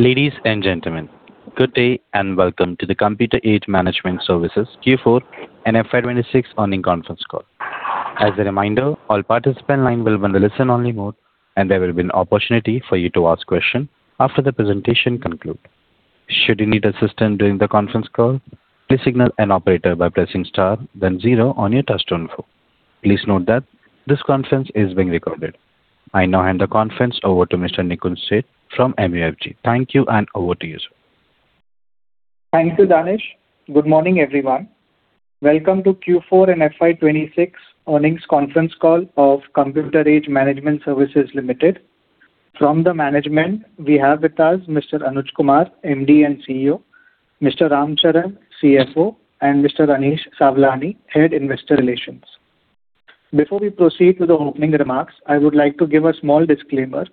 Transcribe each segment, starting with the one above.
Ladies and gentlemen, good day and welcome to the Computer Age Management Services Q4 and FY 2026 earnings conference call. As a reminder, all participant line will be on the listen-only mode, and there will be an opportunity for you to ask question after the presentation conclude. Should you need assistance during the conference call, please signal an operator by pressing star then zero on your touchtone phone. Please note that this conference is being recorded. I now hand the conference over to Mr. Nikunj Seth from MUFG. Thank you, and over to you, sir. Thank you, Danish. Good morning, everyone. Welcome to Q4 and FY 2026 earnings conference call of Computer Age Management Services Limited. From the management, we have with us Mr. Anuj Kumar, MD and CEO; Mr. Ram Charan, CFO; and Mr. Anish Sawlani, Head Investor Relations. Before we proceed to the opening remarks, I would like to give a small disclaimer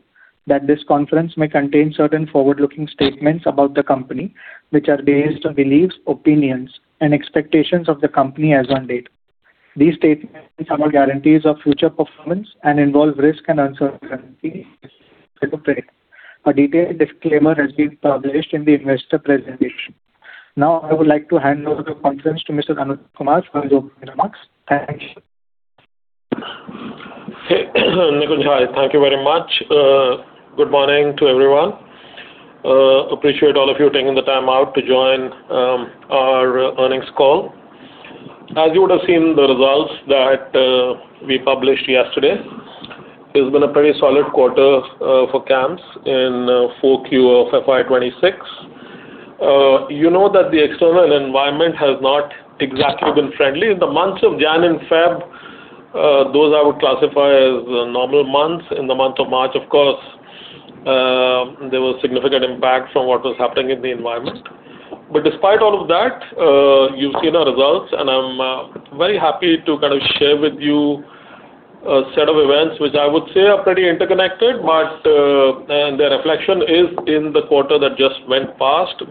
that this conference may contain certain forward-looking statements about the company, which are based on beliefs, opinions, and expectations of the company as on date. These statements are no guarantees of future performance and involve risk and uncertainty. A detailed disclaimer has been published in the investor presentation. Now I would like to hand over the conference to Mr. Anuj Kumar for his opening remarks. Thank you. Nikunj, hi. Thank you very much. Good morning to everyone. Appreciate all of you taking the time out to join our earnings call. As you would have seen the results that we published yesterday, it's been a pretty solid quarter for CAMS in 4Q of FY 2026. You know that the external environment has not exactly been friendly. In the months of January and February, those I would classify as normal months. In the month of March, of course, there was significant impact from what was happening in the environment. Despite all of that, you've seen our results, and I'm very happy to kind of share with you a set of events which I would say are pretty interconnected, but their reflection is in the quarter that just went past.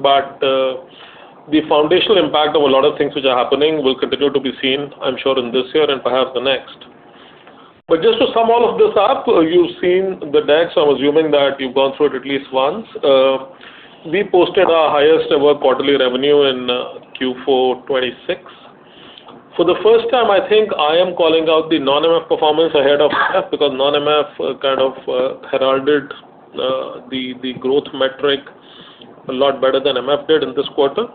The foundational impact of a lot of things which are happening will continue to be seen, I'm sure, in this year and perhaps the next. Just to sum all of this up, you've seen the decks. I'm assuming that you've gone through it at least once. We posted our highest ever quarterly revenue in Q4 2026. For the first time, I think I am calling out the non-MF performance ahead of MF because non-MF kind of heralded the growth metric a lot better than MF did in this quarter.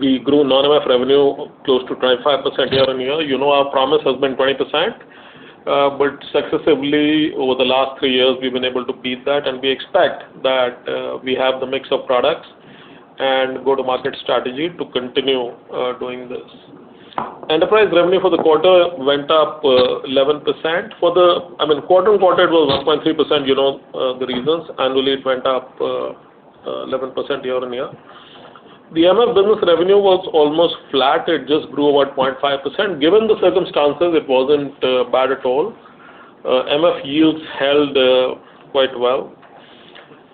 We grew non-MF revenue close to 25% year-on-year. You know our promise has been 20%. Successively over the last three years, we've been able to beat that, and we expect that we have the mix of products and go-to-market strategy to continue doing this. Enterprise revenue for the quarter went up, 11%. I mean, quarter-on-quarter it was 1.3%. You know, the reasons. Annually, it went up, 11% year-on-year. The MF business revenue was almost flat. It just grew about 0.5%. Given the circumstances, it wasn't bad at all. MF yields held quite well.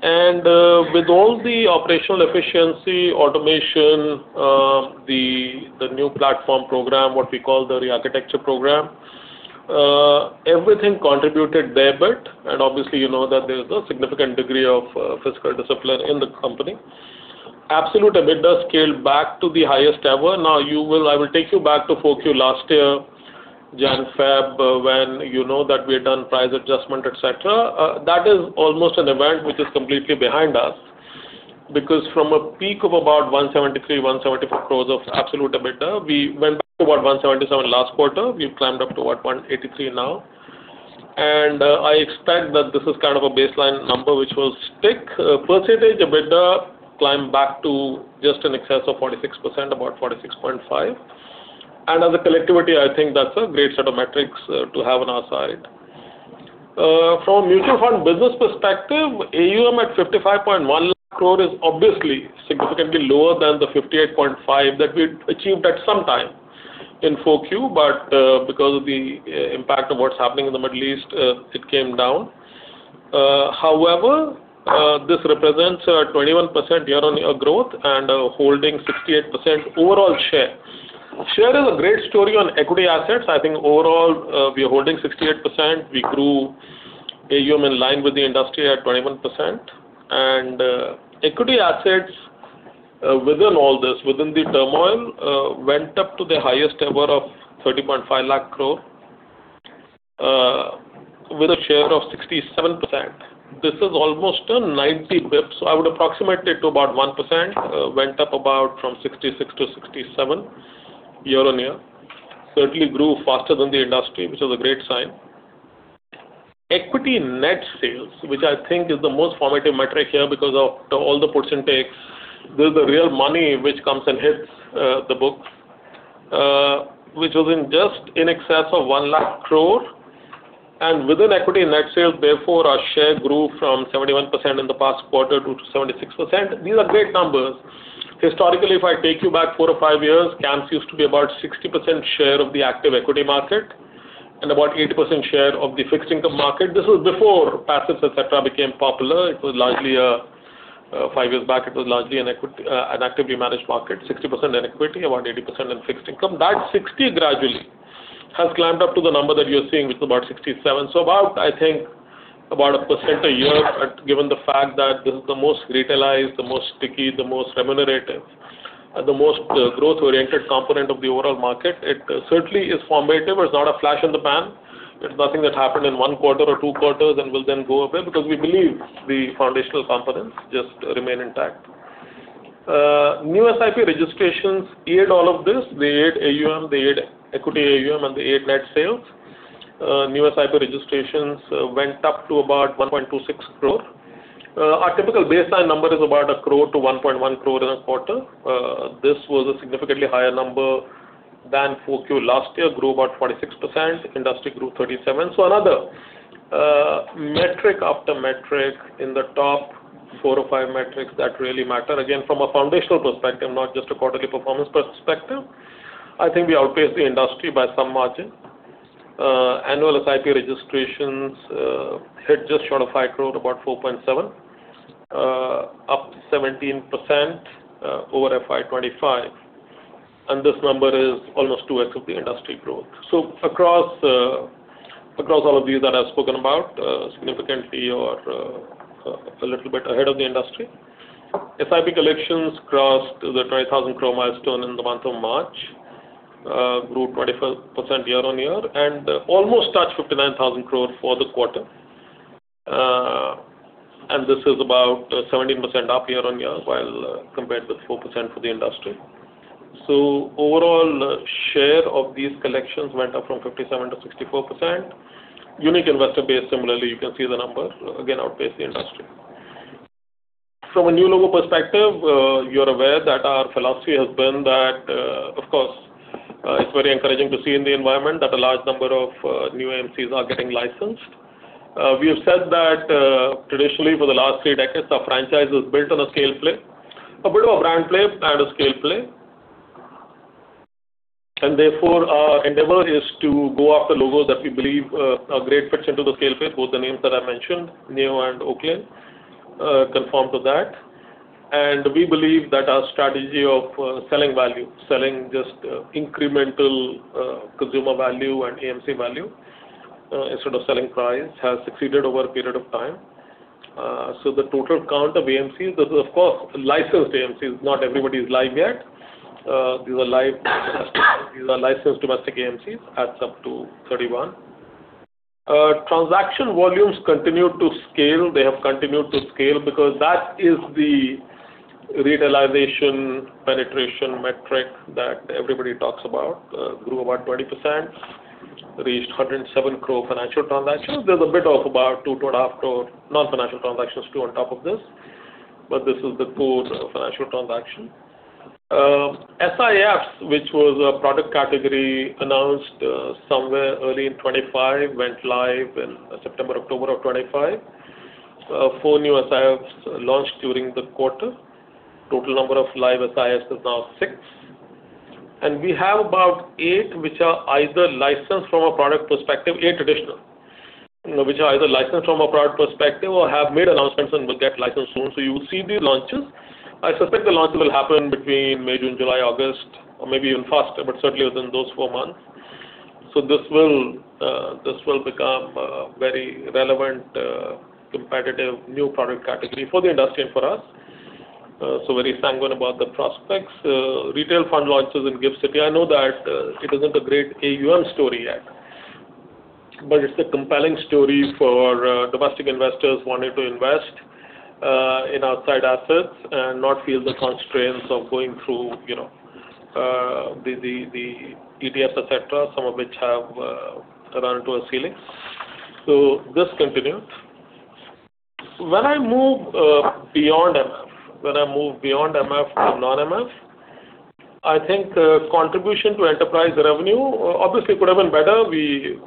With all the operational efficiency, automation, the new platform program, what we call the re-architecture program, everything contributed their bit. Obviously, you know that there is a significant degree of fiscal discipline in the company. Absolute EBITDA scaled back to the highest ever. Now, I will take you back to 4Q last year, January, February, when you know that we had done price adjustment, et cetera. That is almost an event which is completely behind us. From a peak of about 173 crore, 174 crore of absolute EBITDA, we went to about 177 last quarter. We've climbed up to about 183 now. I expect that this is kind of a baseline number which will stick. Percentage EBITDA climbed back to just in excess of 46%, about 46.5%. As a collectivity, I think that's a great set of metrics to have on our side. From mutual fund business perspective, AUM at 55.1 crore is obviously significantly lower than the 58.5 that we achieved at some time in 4Q. Because of the impact of what's happening in the Middle East, it came down. However, this represents 21% year-on-year growth and holding 68% overall share. Share is a great story on equity assets. I think overall, we are holding 68%. We grew AUM in line with the industry at 21%. Equity assets, within all this, within the turmoil, went up to the highest ever of 30.5 lakh crore, with a share of 67%. This is almost a 90 bps. I would approximate it to about 1%. Went up about from 66% to 67% year-on-year. Certainly grew faster than the industry, which is a great sign. Equity net sales, which I think is the most formative metric here because of all the puts and takes. This is the real money which comes and hits the books, which was in just in excess of 1 lakh crore. Within equity net sales, therefore, our share grew from 71% in the past quarter to 76%. These are great numbers. Historically, if I take you back four or five years, CAMS used to be about 60% share of the active equity market and about 80% share of the fixed income market. This was before passives, et cetera, became popular. It was largely five years back, it was largely an actively managed market, 60% in equity, about 80% in fixed income. That 60% gradually has climbed up to the number that you're seeing, which is about 67%. About, I think, about 1% a year. Given the fact that this is the most retailized, the most sticky, the most remunerative, the most growth-oriented component of the overall market, it certainly is formative. It's not a flash in the pan. It's nothing that happened in one quarter or two quarters and will then go away because we believe the foundational components just remain intact. New SIP registrations aided all of this. They aid AUM, they aid equity AUM, and they aid net sales. New SIP registrations went up to about 1.26 crore. Our typical baseline number is about 1 crore-1.1 crore in a quarter. This was a significantly higher number than Q4 last year. Grew about 46%. Industry grew 37%. Another metric after metric in the top 4 or 5 metrics that really matter, again, from a foundational perspective, not just a quarterly performance perspective, I think we outpaced the industry by some margin. Annual SIP registrations hit just short of 5 crore, about 4.7 crore, up 17% over FY 2025, and this number is almost 2x of the industry growth. Across, across all of these that I've spoken about, significantly or a little bit ahead of the industry. SIP collections crossed the 20,000 crore milestone in the month of March. Grew 25% year-on-year and almost touched 59,000 crore for the quarter. And this is about 17% up year-on-year, compared to 4% for the industry. Overall, share of these collections went up from 57% to 64%. Unique investor base, similarly, you can see the number, again, outpaced the industry. From a new logo perspective, you're aware that our philosophy has been that, of course, it's very encouraging to see in the environment that a large number of new AMCs are getting licensed. We have said that, traditionally, for the last three decades, our franchise was built on a scale play, a bit of a brand play and a scale play. Therefore, our endeavor is to go after logos that we believe are great fits into the scale play. Both the names that I mentioned, Neo and Oaklane, conform to that. We believe that our strategy of selling value, selling just incremental consumer value and AMC value, instead of selling price, has succeeded over a period of time. The total count of AMCs, this is, of course, licensed AMCs, not everybody is live yet. These are licensed domestic AMCs, adds up to 31. Transaction volumes continue to scale. They have continued to scale because that is the retailization penetration metric that everybody talks about. Grew about 20%, reached 107 crore financial transactions. There's a bit of about 2 crore-2.5 crore non-financial transactions too on top of this, but this is the core financial transaction. SIFs, which was a product category announced somewhere early in 2025, went live in September, October of 2025. Four new SIFs launched during the quarter. Total number of live SIFs is now 6. We have about 8 which are either licensed from a product perspective-- 8 traditional, you know, which are either licensed from a product perspective or have made announcements and will get licensed soon. You will see these launches. I suspect the launches will happen between maybe in July, August or maybe even faster, but certainly within those 4 months. This will become a very relevant competitive new product category for the industry and for us. Very sanguine about the prospects. Retail fund launches in GIFT City, I know that it isn't a great AUM story yet, but it's a compelling story for domestic investors wanting to invest in outside assets and not feel the constraints of going through, you know, the ETFs, et cetera, some of which have run into a ceiling. This continued. When I move beyond MF, when I move beyond MF to non-MF, I think contribution to enterprise revenue obviously could have been better. We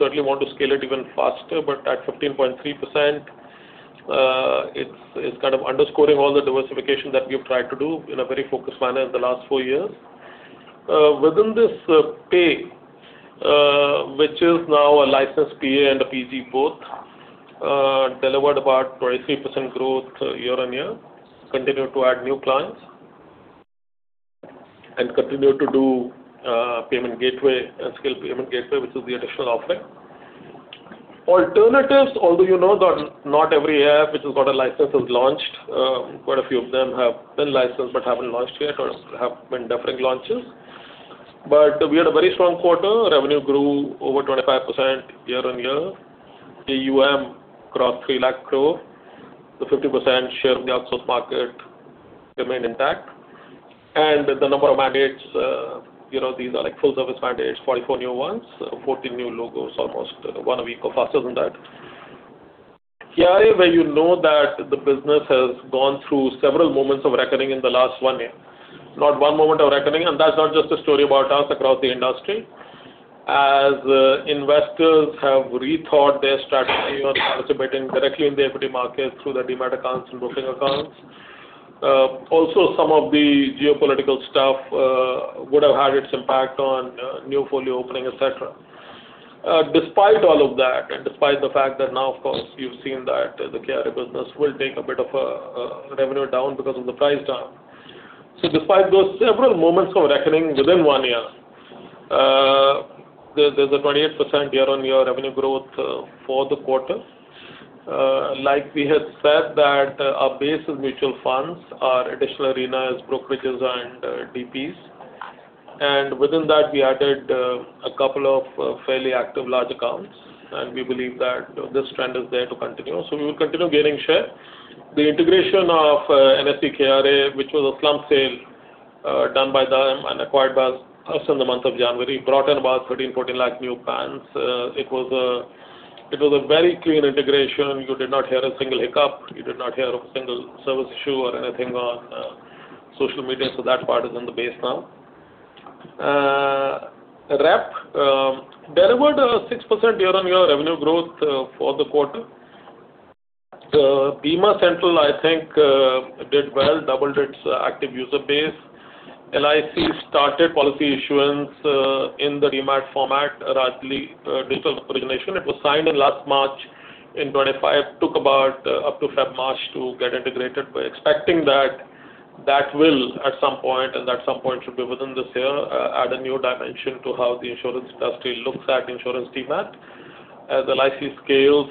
certainly want to scale it even faster, but at 15.3%, it's kind of underscoring all the diversification that we've tried to do in a very focused manner in the last 4 years. Within this, Pay, which is now a licensed PA and a PG both, delivered about 23% growth year-on-year, continued to add new clients, and continued to do payment gateway and scale payment gateway, which is the additional offering. Alternatives, although you know that not every AIF which has got a license is launched, quite a few of them have been licensed but haven't launched yet or have been deferring launches. We had a very strong quarter. Revenue grew over 25% year-on-year. AUM crossed 3 lakh crore. The 50% share of the outsource market remained intact. The number of mandates, you know, these are like full service mandates, 44 new ones, 14 new logos, almost 1 a week or faster than that. KRA, where you know that the business has gone through several moments of reckoning in the last 1 year, not 1 moment of reckoning, and that's not just a story about us, across the industry, as investors have rethought their strategy on participating directly in the equity market through their demat accounts and broking accounts. Also some of the geopolitical stuff would have had its impact on new folio opening, et cetera. Despite all of that, and despite the fact that now, of course, you've seen that the KRA business will take a bit of revenue down because of the price drop. Despite those several moments of reckoning within one year, there's a 28% year-on-year revenue growth for the quarter. Like we had said that our base is mutual funds. Our additional arena is brokerages and DPs. Within that, we added a couple of fairly active large accounts, and we believe that this trend is there to continue. We will continue gaining share. The integration of NSE KRA, which was a slump sale, done by them and acquired by us in the month of January, brought in about 13 lakh, 14 lakh new PANs. It was a very clean integration. You did not hear a single hiccup. You did not hear a single service issue or anything on social media. That part is in the base now. Delivered a 6% year-on-year revenue growth for the quarter. Bima Central, I think, did well, doubled its active user base. LIC started policy issuance in the Demat format, largely digital origination. It was signed in last March in 25. Took about up to February, March to get integrated. We're expecting that that will at some point, and at some point should be within this year, add a new dimension to how the insurance industry looks at insurance Demat. As LIC scales,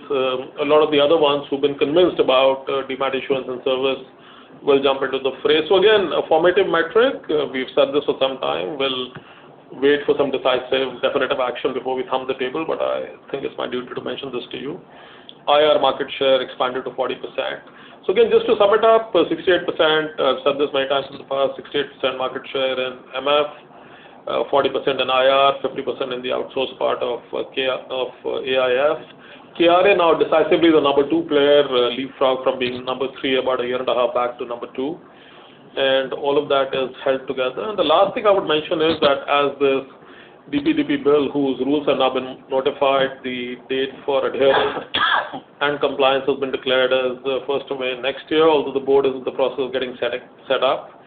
a lot of the other ones who've been convinced about Demat issuance and service will jump into the fray. Again, a formative metric. We've said this for some time. We'll wait for some decisive definitive action before we thumb the table, but I think it's my duty to mention this to you. IR market share expanded to 40%. Again, just to sum it up, 68%, said this many times in the past, 68% market share in MF, 40% in IR, 50% in the outsource part of KRA of AIFs. KRA now decisively the number 2 player, leapfrog from being number 3 about a year and a half back to number 2. All of that has held together. The last thing I would mention is that as this DPDP bill, whose rules have now been notified, the date for adherence and compliance has been declared as first of May next year, although the board is in the process of getting set up.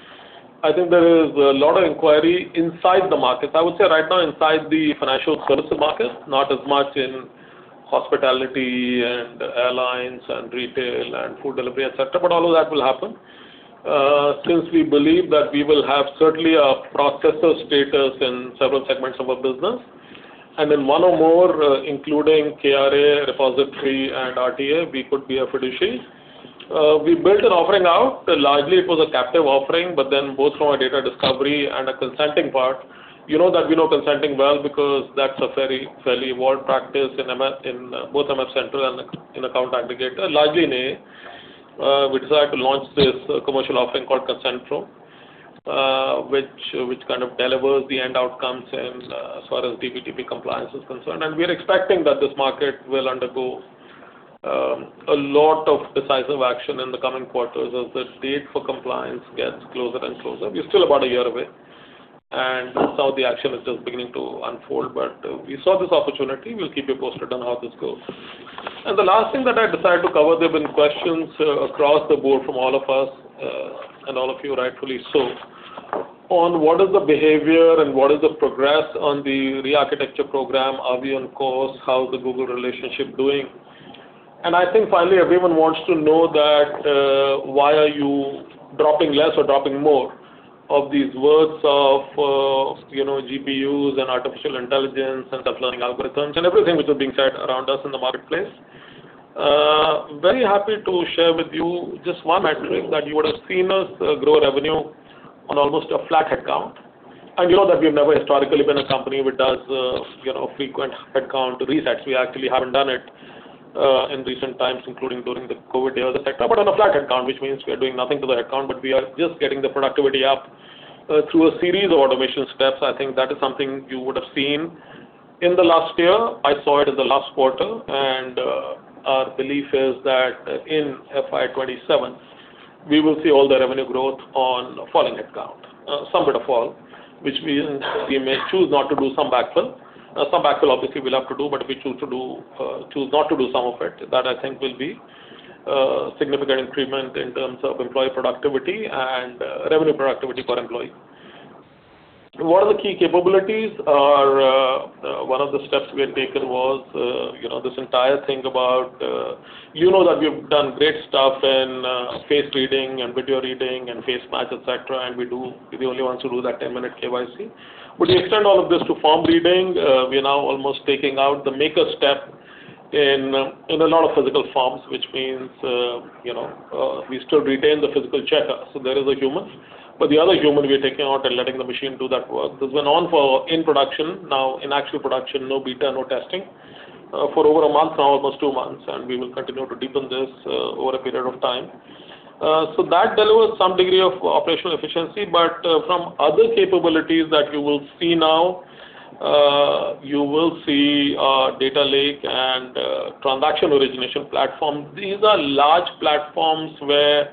I think there is a lot of inquiry inside the markets. I would say right now inside the financial services market, not as much in hospitality and airlines and retail and food delivery, et cetera, but all of that will happen. Since we believe that we will have certainly a processor status in several segments of our business, and in one or more, including KRA, repository, and RTA, we could be a fiduciary. Largely, it was a captive offering, both from a data discovery and a consenting part, you know that we know consenting well because that's a very fairly evolved practice in MF in both MFCentral and in account aggregator. Largely NA. We decided to launch this commercial offering called ConsenPro, which kind of delivers the end outcomes in as far as DPDP compliance is concerned. We're expecting that this market will undergo a lot of decisive action in the coming quarters as the date for compliance gets closer and closer. We're still about a year away, and that's how the action is just beginning to unfold. We saw this opportunity. We'll keep you posted on how this goes. The last thing that I decided to cover, there have been questions across the board from all of us and all of you rightfully so, on what is the behavior and what is the progress on the re-architecture program. Are we on course? How's the Google relationship doing? I think finally everyone wants to know that why are you dropping less or dropping more of these words of, you know, GPUs and artificial intelligence and self-learning algorithms and everything which is being said around us in the marketplace. Very happy to share with you just one metric that you would have seen us grow revenue on almost a flat headcount. You know that we've never historically been a company which does, you know, frequent headcount resets. We actually haven't done it in recent times, including during the COVID era, et cetera. On a flat headcount, which means we are doing nothing to the headcount, but we are just getting the productivity up through a series of automation steps. I think that is something you would have seen in the last year. I saw it in the last quarter. Our belief is that in FY 2027, we will see all the revenue growth on falling headcount, somewhat a fall, which means we may choose not to do some backfill. Some backfill obviously we'll have to do, but if we choose not to do some of it, that I think will be a significant improvement in terms of employee productivity and revenue productivity per employee. What are the key capabilities? Our, one of the steps we had taken was, you know, this entire thing about, you know that we've done great stuff in face reading and video reading and face match, et cetera, and we're the only ones who do that 10-minute KYC. We extend all of this to form reading. We are now almost taking out the maker step in a lot of physical forms, which means, you know, we still retain the physical checker, so there is a human. The other human we are taking out and letting the machine do that work. This went on for in production, now in actual production, no beta, no testing, for over a month, now almost two months, and we will continue to deepen this over a period of time. So that delivers some degree of operational efficiency, but some other capabilities that you will see now, you will see data lake and transaction origination platform. These are large platforms where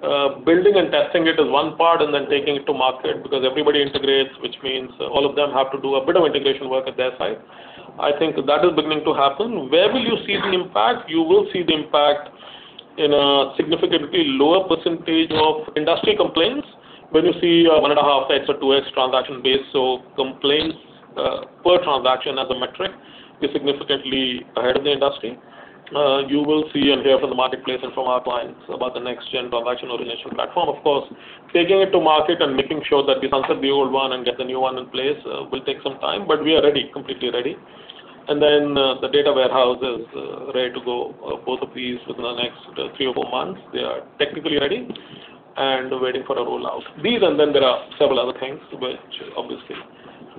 building and testing it is one part and then taking it to market because everybody integrates, which means all of them have to do a bit of integration work at their side. I think that is beginning to happen. Where will you see the impact? You will see the impact in a significantly lower percentage of industry complaints, when you see 1.5x or 2x transaction base. Complaints per transaction as a metric is significantly ahead of the industry. You will see and hear from the marketplace and from our clients about the next-gen transaction origination platform. Of course, taking it to market and making sure that we sunset the old one and get the new one in place will take some time, but we are ready, completely ready. The data warehouse is ready to go, both of these within the next three or four months. They are technically ready and waiting for a rollout. These, and then there are several other things which obviously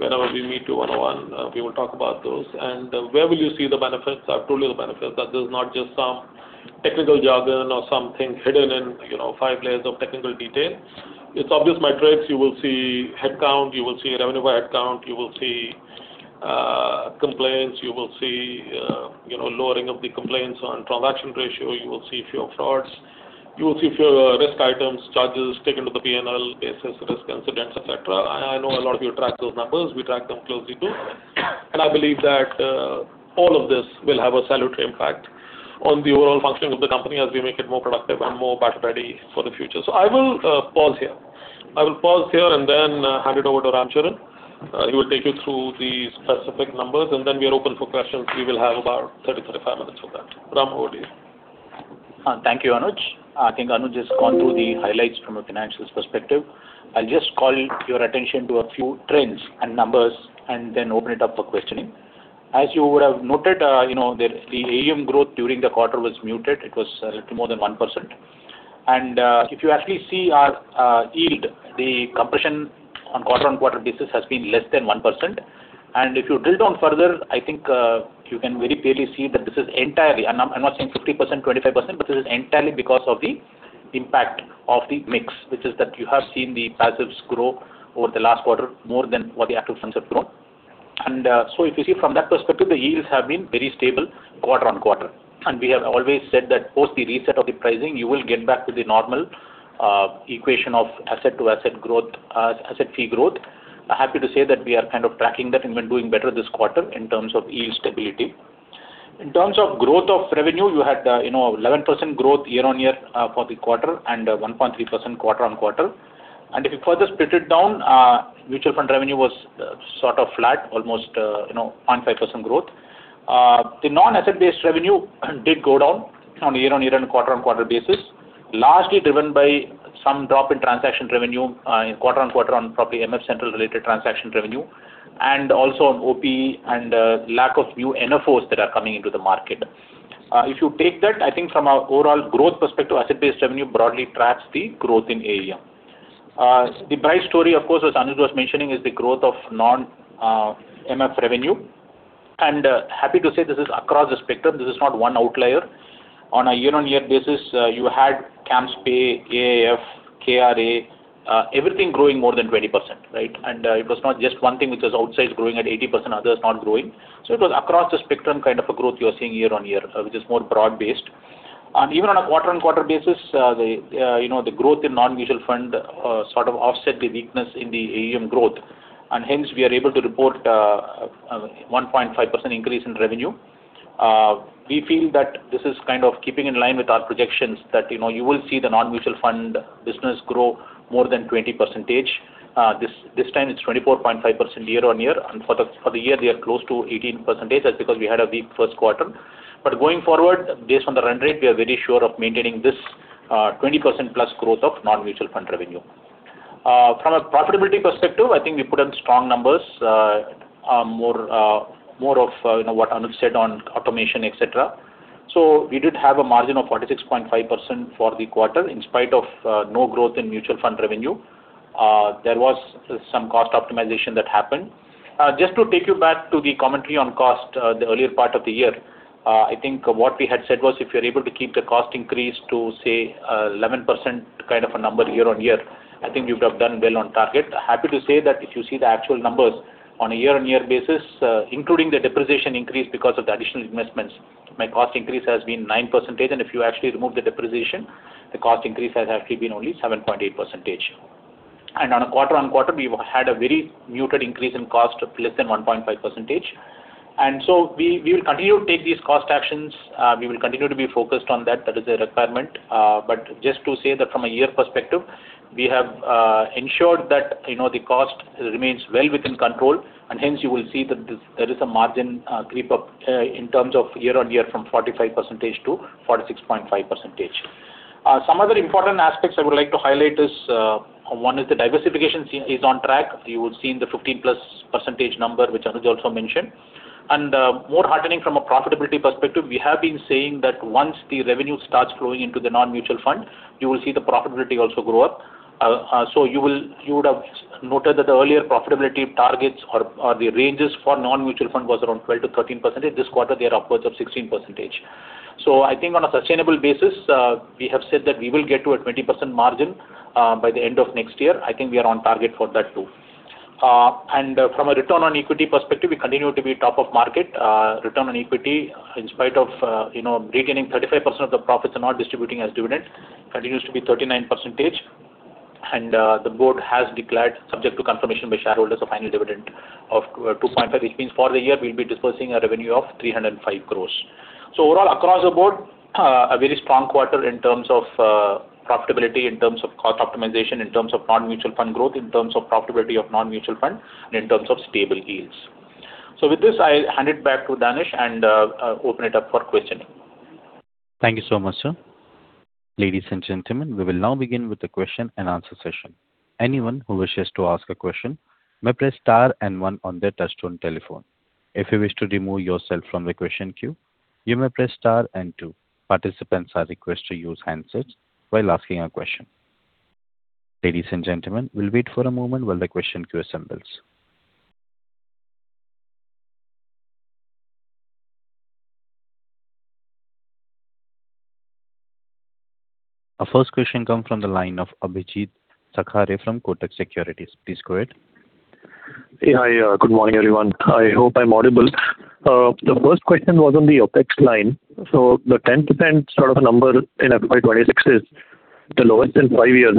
whenever we meet you one-on-one, we will talk about those. Where will you see the benefits? I have told you the benefits, that this is not just some technical jargon or something hidden in, you know, five layers of technical detail. It's obvious metrics. You will see headcount, you will see revenue by headcount, you will see complaints, you will see, you know, lowering of the complaints on transaction ratio, you will see fewer frauds. You will see fewer risk items, charges taken to the P&L basis, risk incidents, et cetera. I know a lot of you track those numbers. We track them closely, too. I believe that all of this will have a salutary impact on the overall functioning of the company as we make it more productive and more battle-ready for the future. I will pause here and then hand it over to Ram Charan. He will take you through the specific numbers, and then we are open for questions. We will have about 30, 35 minutes for that. Ram, over to you. Thank you, Anuj. I think Anuj has gone through the highlights from a financials perspective. I'll just call your attention to a few trends and numbers, then open it up for questioning. As you would have noted, you know, the AUM growth during the quarter was muted. It was a little more than 1%. If you actually see our yield, the compression on quarter-on-quarter basis has been less than 1%. If you drill down further, I think, you can very clearly see that this is entirely. I'm not saying 50%, 25%, but this is entirely because of the impact of the mix, which is that you have seen the passives grow over the last quarter more than what the active funds have grown. So if you see from that perspective, the yields have been very stable quarter-on-quarter. We have always said that post the reset of the pricing, you will get back to the normal equation of asset to asset growth, asset fee growth. Happy to say that we are kind of tracking that and been doing better this quarter in terms of yield stability. In terms of growth of revenue, you had, you know, 11% growth year-on-year for the quarter and 1.3% quarter-on-quarter. If you further split it down, mutual fund revenue was sort of flat, almost, you know, 0.5% growth. The non-asset-based revenue did go down on a year-on-year and quarter-on-quarter basis, largely driven by some drop in transaction revenue in quarter-on-quarter on probably MFCentral related transaction revenue, and also on OP and lack of new NFOs that are coming into the market. If you take that, I think from an overall growth perspective, asset-based revenue broadly tracks the growth in AUM. The bright story, of course, as Anuj was mentioning, is the growth of non-MF revenue. Happy to say this is across the spectrum. This is not one outlier. On a year-on-year basis, you had CAMSPay, AIF, KRA, everything growing more than 20%, right? It was not just one thing which was outside growing at 80%, others not growing. It was across the spectrum kind of a growth you are seeing year-on-year, which is more broad-based. Even on a quarter-on-quarter basis, you know, the growth in non-MF sort of offset the weakness in the AUM growth, and hence we are able to report a 1.5% increase in revenue. We feel that this is kind of keeping in line with our projections that, you know, you will see the non-MF business grow more than 20%. This time it is 24.5% year-on-year, and for the year they are close to 18%. That's because we had a weak first quarter. Going forward, based on the run rate, we are very sure of maintaining this 20%+ growth of non-MF revenue. From a profitability perspective, I think we put in strong numbers, more of, you know, what Anuj said on automation, et cetera. We did have a margin of 46.5% for the quarter in spite of no growth in mutual fund revenue. There was some cost optimization that happened. Just to take you back to the commentary on cost, the earlier part of the year, I think what we had said was if you're able to keep the cost increase to, say, 11% kind of a number year-on-year, I think we would have done well on target. Happy to say that if you see the actual numbers on a year-on-year basis, including the depreciation increase because of the additional investments, my cost increase has been 9%, and if you actually remove the depreciation, the cost increase has actually been only 7.8%. On a quarter-on-quarter, we had a very muted increase in cost of less than 1.5%. We will continue to take these cost actions. We will continue to be focused on that. That is a requirement. Just to say that from a year perspective, we have ensured that, you know, the cost remains well within control, and hence you will see that there is a margin creep up in terms of year-on-year from 45% to 46.5%. Some other important aspects I would like to highlight is, one is the diversification is on track. You would see in the 15+% number, which Anuj also mentioned. More heartening from a profitability perspective, we have been saying that once the revenue starts flowing into the non-mutual fund, you will see the profitability also grow up. You would have noted that the earlier profitability targets or the ranges for non-mutual fund was around 12%-13%. This quarter they are upwards of 16%. I think on a sustainable basis, we have said that we will get to a 20% margin by the end of next year. I think we are on target for that, too. From a return on equity perspective, we continue to be top of market, return on equity in spite of, you know, retaining 35% of the profits and not distributing as dividends continues to be 39%. The board has declared subject to confirmation by shareholders a final dividend of 2.5, which means for the year we'll be disbursing a revenue of 305 crores. Overall, across the board, a very strong quarter in terms of profitability, in terms of cost optimization, in terms of non-mutual fund growth, in terms of profitability of non-mutual fund, and in terms of stable yields. With this, I'll hand it back to Danish and open it up for questioning. Thank you so much, sir. Ladies and gentlemen, we will now begin with the question and answer session. Anyone who wishes to ask a question may press star and one on their touch-tone telephone. If you wish to remove yourself from the question queue, you may press star and two. Participants are requested to use handsets while asking a question. Ladies and gentlemen, we will wait for a moment while the question queue assembles. Our first question come from the line of Abhijeet Sakhare from Kotak Securities. Please go ahead. Hey. Hi. Good morning, everyone. I hope I'm audible. The first question was on the OpEx line. The 10% sort of number in FY 2026 is the lowest in 5 years.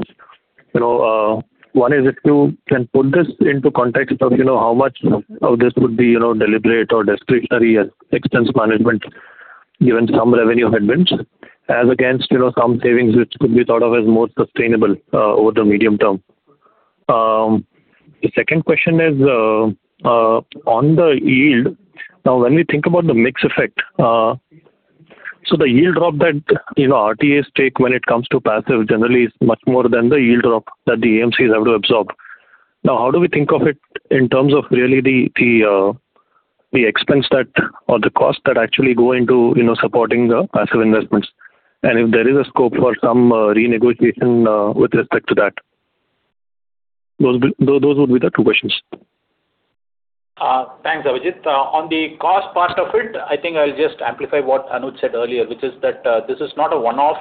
You know, one is if you can put this into context of, you know, how much of this would be, you know, deliberate or discretionary expense management, given some revenue headwinds, as against, you know, some savings which could be thought of as more sustainable over the medium term. The second question is on the yield. When we think about the mix effect, the yield drop that, you know, RTAs take when it comes to passive generally is much more than the yield drop that the AMCs have to absorb. How do we think of it in terms of really the expense or the cost that actually go into, you know, supporting the passive investments? If there is a scope for some renegotiation with respect to that. Those would be the two questions. Thanks, Abhijeet. On the cost part of it, I think I'll just amplify what Anuj said earlier, which is that this is not a one-off.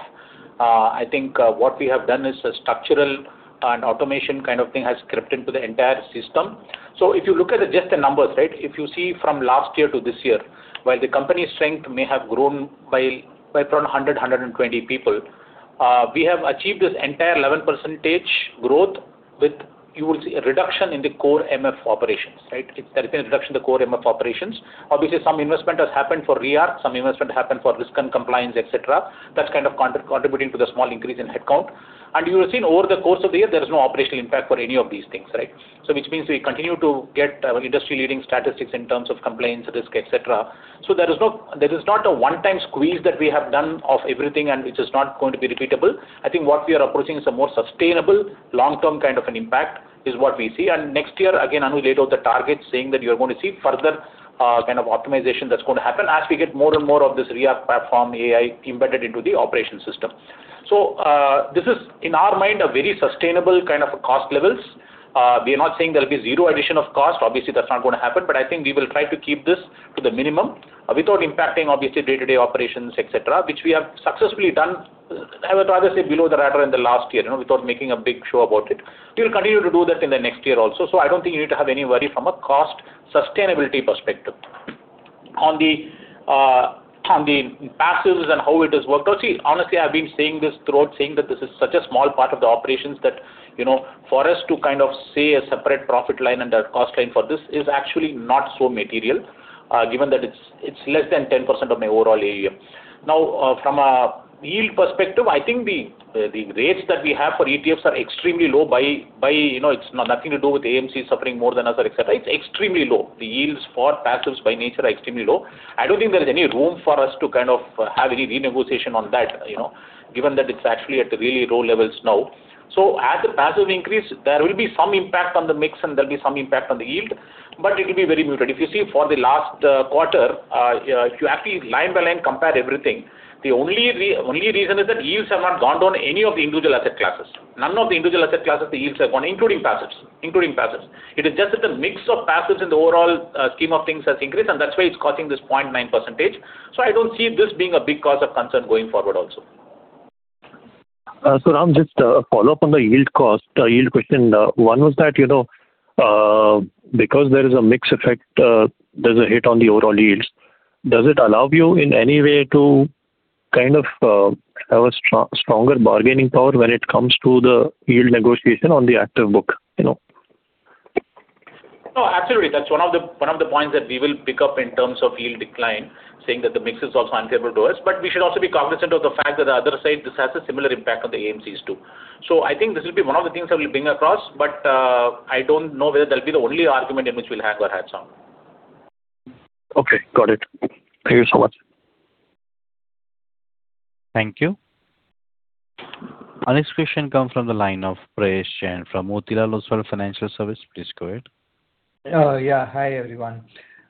I think what we have done is a structural and automation kind of thing has crept into the entire system. If you look at the, just the numbers, right? If you see from last year to this year, while the company's strength may have grown by around 100, 120 people, we have achieved this entire 11% growth with, you will see, a reduction in the core MF operations, right? It's, there has been a reduction in the core MF operations. Obviously, some investment has happened for re-arch, some investment happened for risk and compliance, et cetera. That's kind of contributing to the small increase in headcount. You would've seen over the course of the year, there is no operational impact for any of these things, right? Which means we continue to get industry-leading statistics in terms of compliance, risk, et cetera. There is not a 1-time squeeze that we have done of everything and which is not going to be repeatable. I think what we are approaching is a more sustainable long-term kind of an impact, is what we see. Next year, again, Anuj laid out the target saying that you're going to see further kind of optimization that's going to happen as we get more and more of this re-arch platform AI embedded into the operation system. This is, in our mind, a very sustainable kind of a cost levels. We are not saying there'll be zero addition of cost. Obviously, that's not gonna happen. I think we will try to keep this to the minimum without impacting obviously day-to-day operations, et cetera, which we have successfully done, I would rather say below the radar in the last year, you know, without making a big show about it. We'll continue to do that in the next year also. I don't think you need to have any worry from a cost sustainability perspective. On the on the passives and how it has worked out, see, honestly, I've been saying this throughout, saying that this is such a small part of the operations that, you know, for us to kind of say a separate profit line and a cost line for this is actually not so material, given that it's less than 10% of my overall AUM. From a yield perspective, I think the rates that we have for ETFs are extremely low by, you know, nothing to do with AMC suffering more than us or et cetera. It's extremely low. The yields for passives by nature are extremely low. I don't think there is any room for us to kind of have any renegotiation on that, you know, given that it's actually at really low levels now. As the passive increase, there will be some impact on the mix and there'll be some impact on the yield, but it'll be very muted. If you see for the last quarter, if you actually line by line compare everything, the only reason is that yields have not gone down any of the individual asset classes. None of the individual asset classes, the yields have gone, including passives. Including passives. It is just that the mix of passives in the overall scheme of things has increased, and that's why it's causing this 0.9%. I don't see this being a big cause of concern going forward also. I'm just following up on the yield cost, yield question. One was that, you know, because there is a mix effect, there's a hit on the overall yields. Does it allow you in any way to kind of have a stronger bargaining power when it comes to the yield negotiation on the active book, you know? No, absolutely. That's one of the, one of the points that we will pick up in terms of yield decline, saying that the mix is also unfavorable to us. We should also be cognizant of the fact that the other side, this has a similar impact on the AMCs too. I think this will be one of the things that we'll bring across, but I don't know whether that'll be the only argument in which we'll have our hats on. Okay, got it. Thank you so much. Thank you. Our next question comes from the line of Prayesh Jain from Motilal Oswal Financial Services. Please go ahead. Yeah. Hi, everyone.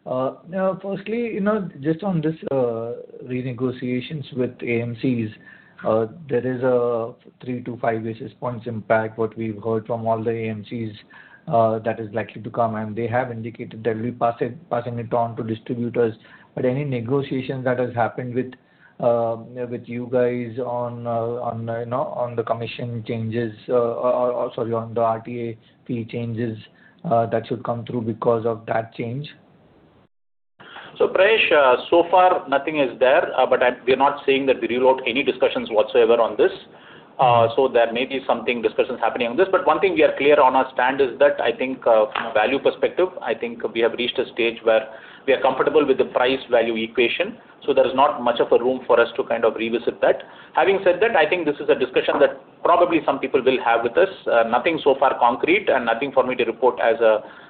Now firstly, you know, just on this renegotiations with AMCs, there is a 3-5 basis points impact, what we've heard from all the AMCs, that is likely to come, and they have indicated they'll be passing it on to distributors. Any negotiation that has happened with with you guys on on, you know, on the commission changes, or, sorry, on the RTA fee changes, that should come through because of that change? Prayesh, so far nothing is there, but we're not saying that we rule out any discussions whatsoever on this. There may be something, discussions happening on this. One thing we are clear on our stand is that I think, from a value perspective, I think we have reached a stage where we are comfortable with the price-value equation, so there is not much of a room for us to kind of revisit that. Having said that, I think this is a discussion that probably some people will have with us. Nothing so far concrete, and nothing for me to report as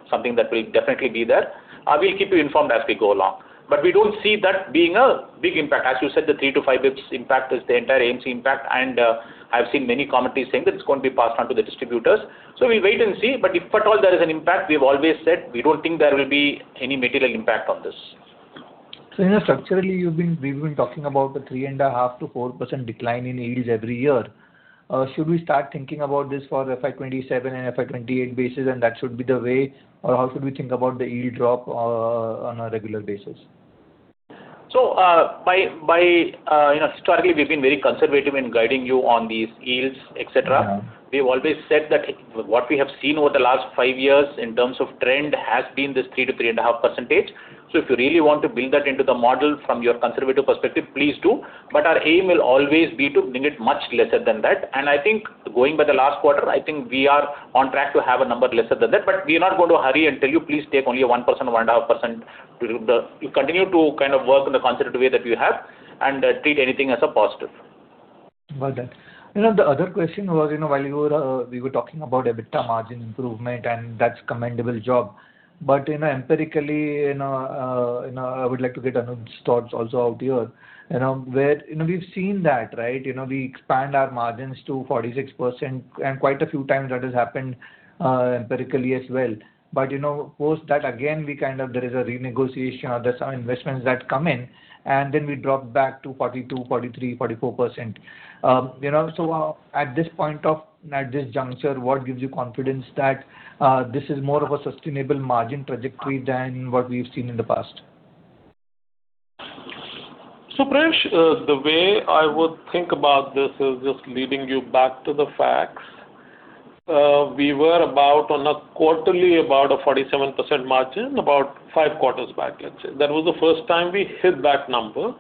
something that will definitely be there. We'll keep you informed as we go along. We don't see that being a big impact. As you said, the 3-5 basis points impact is the entire AMC impact. I've seen many commentaries saying that it's going to be passed on to the distributors. We wait and see, if at all there is an impact, we've always said we don't think there will be any material impact on this. You know, structurally, we've been talking about the 3.5%-4% decline in yields every year. Should we start thinking about this for FY 2027 and FY 2028 basis, and that should be the way or how should we think about the yield drop on a regular basis? By, you know, historically, we've been very conservative in guiding you on these yields, et cetera. Mm-hmm. We've always said that what we have seen over the last five years in terms of trend has been this 3%-3.5%. If you really want to build that into the model from your conservative perspective, please do. Our aim will always be to bring it much lesser than that. I think going by the last quarter, I think we are on track to have a number lesser than that, but we are not going to hurry and tell you, please take only a 1% or 1.5%. We'll, you continue to kind of work in the conservative way that you have and treat anything as a positive. Well done. You know, the other question was, you know, while you were, we were talking about EBITDA margin improvement, and that's commendable job. You know, empirically, you know, I would like to get Anuj's thoughts also out here. You know, we've seen that, right? You know, we expand our margins to 46%, quite a few times that has happened empirically as well. You know, post that, again, we kind of there is a renegotiation or there's some investments that come in, and then we drop back to 42%, 43%, 44%. You know, at this juncture, what gives you confidence that this is more of a sustainable margin trajectory than what we've seen in the past? Prayesh, the way I would think about this is just leading you back to the facts. We were about on a quarterly, about a 47% margin, about five quarters back, let's say. That was the first time we hit that number.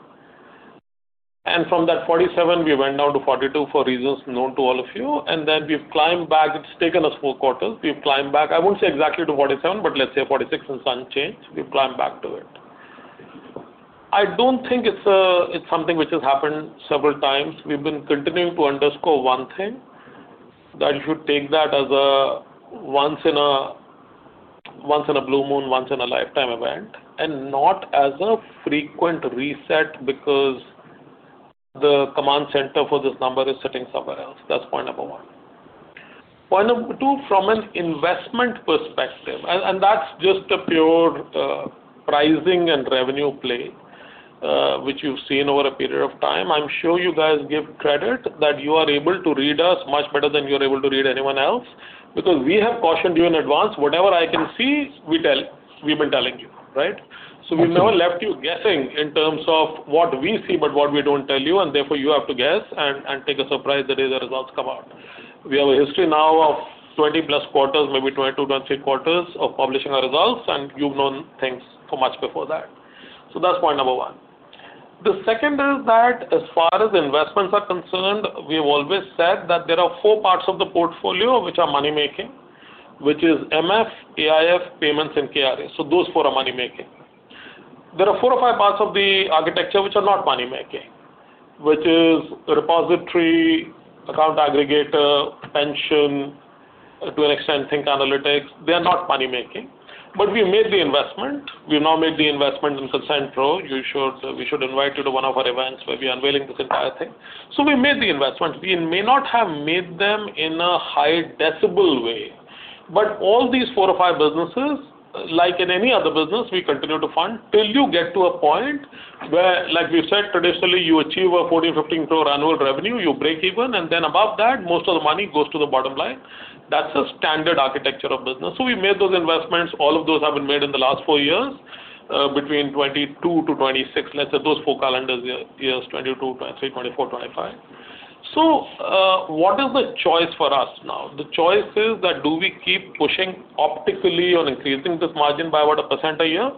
From that 47%, we went down to 42% for reasons known to all of you. Then we've climbed back. It's taken us four quarters. We've climbed back, I wouldn't say exactly to 47%, but let's say 46% and some change. We've climbed back to it. I don't think it's something which has happened several times. We've been continuing to underscore 1 thing, that you should take that as a once in a blue moon, once in a lifetime event, and not as a frequent reset because the command center for this number is sitting somewhere else. That's point number one. Point number two, from an investment perspective, and that's just a pure pricing and revenue play, which you've seen over a period of time. I'm sure you guys give credit that you are able to read us much better than you're able to read anyone else because we have cautioned you in advance. Whatever I can see, we've been telling you, right? Mm-hmm. We've never left you guessing in terms of what we see, but what we don't tell you, and therefore you have to guess and take a surprise the day the results come out. We have a history now of 20+ quarters, maybe 22, 23 quarters of publishing our results, and you've known things for much before that. That's point number 1. The second is that as far as investments are concerned, we've always said that there are 4 parts of the portfolio which are money-making, which is MF, AIF, payments, and KRA. Those 4 are money-making. There are 4 or 5 parts of the architecture which are not money-making, which is repository, account aggregator, pension, to an extent Think Analytics. They are not money-making, but we made the investment. We have now made the investment in ConsenPro. We should invite you to one of our events where we unveiling this entire thing. We made the investment. We may not have made them in a high decibel way, but all these 4 or 5 businesses, like in any other business, we continue to fund till you get to a point where, like we said, traditionally, you achieve a 14 crore, 15 crore annual revenue, you break even, and then above that, most of the money goes to the bottom line. That's a standard architecture of business. We made those investments. All of those have been made in the last four years, between 2022-2026. Let's say those four calendar years, 2022, 2023, 2024, 2025. What is the choice for us now? The choice is that do we keep pushing optically on increasing this margin by about 1% a year?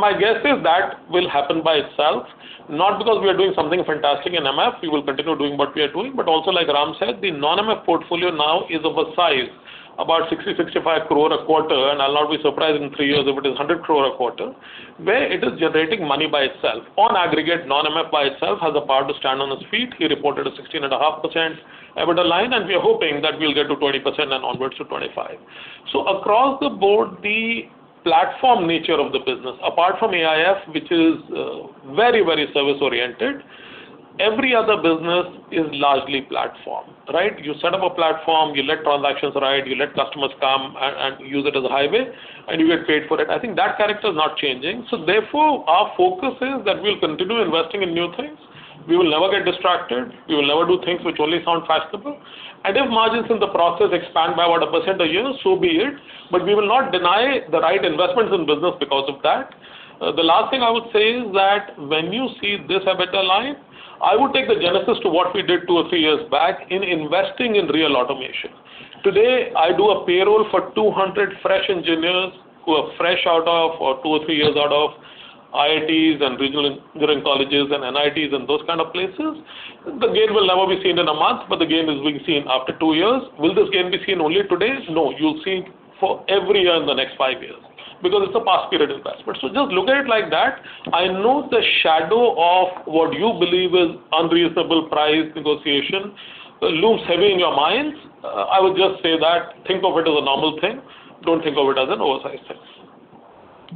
My guess is that will happen by itself, not because we are doing something fantastic in MF. We will continue doing what we are doing. Also, like Ram said, the non-MF portfolio now is of a size, about 60 crore-65 crore a quarter, and I'll not be surprised in three years if it is 100 crore a quarter, where it is generating money by itself. On aggregate, non-MF by itself has the power to stand on its feet. We reported a 16.5% EBITDA line, and we are hoping that we'll get to 20% and onwards to 25%. Across the board, the platform nature of the business, apart from AIF, which is very, very service-oriented, every other business is largely platform, right? You set up a platform, you let transactions ride, you let customers come and use it as a highway, and you get paid for it. I think that character is not changing. Therefore, our focus is that we'll continue investing in new things. We will never get distracted. We will never do things which only sound fashionable. And if margins in the process expand by about 1% a year, so be it. We will not deny the right investments in business because of that. The last thing I would say is that when you see this EBITDA line, I would take the genesis to what we did 2 or 3 years back in investing in real automation. Today, I do a payroll for 200 fresh engineers who are fresh out of or 2 or 3 years out of IITs and regional engineering colleges and NITs and those kind of places. The gain will never be seen in a month, but the gain is being seen after 2 years. Will this gain be seen only today? No, you'll see for every year in the next 5 years because it's a past period investment. Just look at it like that. I know the shadow of what you believe is unreasonable price negotiation looms heavy in your minds. I would just say that think of it as a normal thing. Don't think of it as an oversized expense.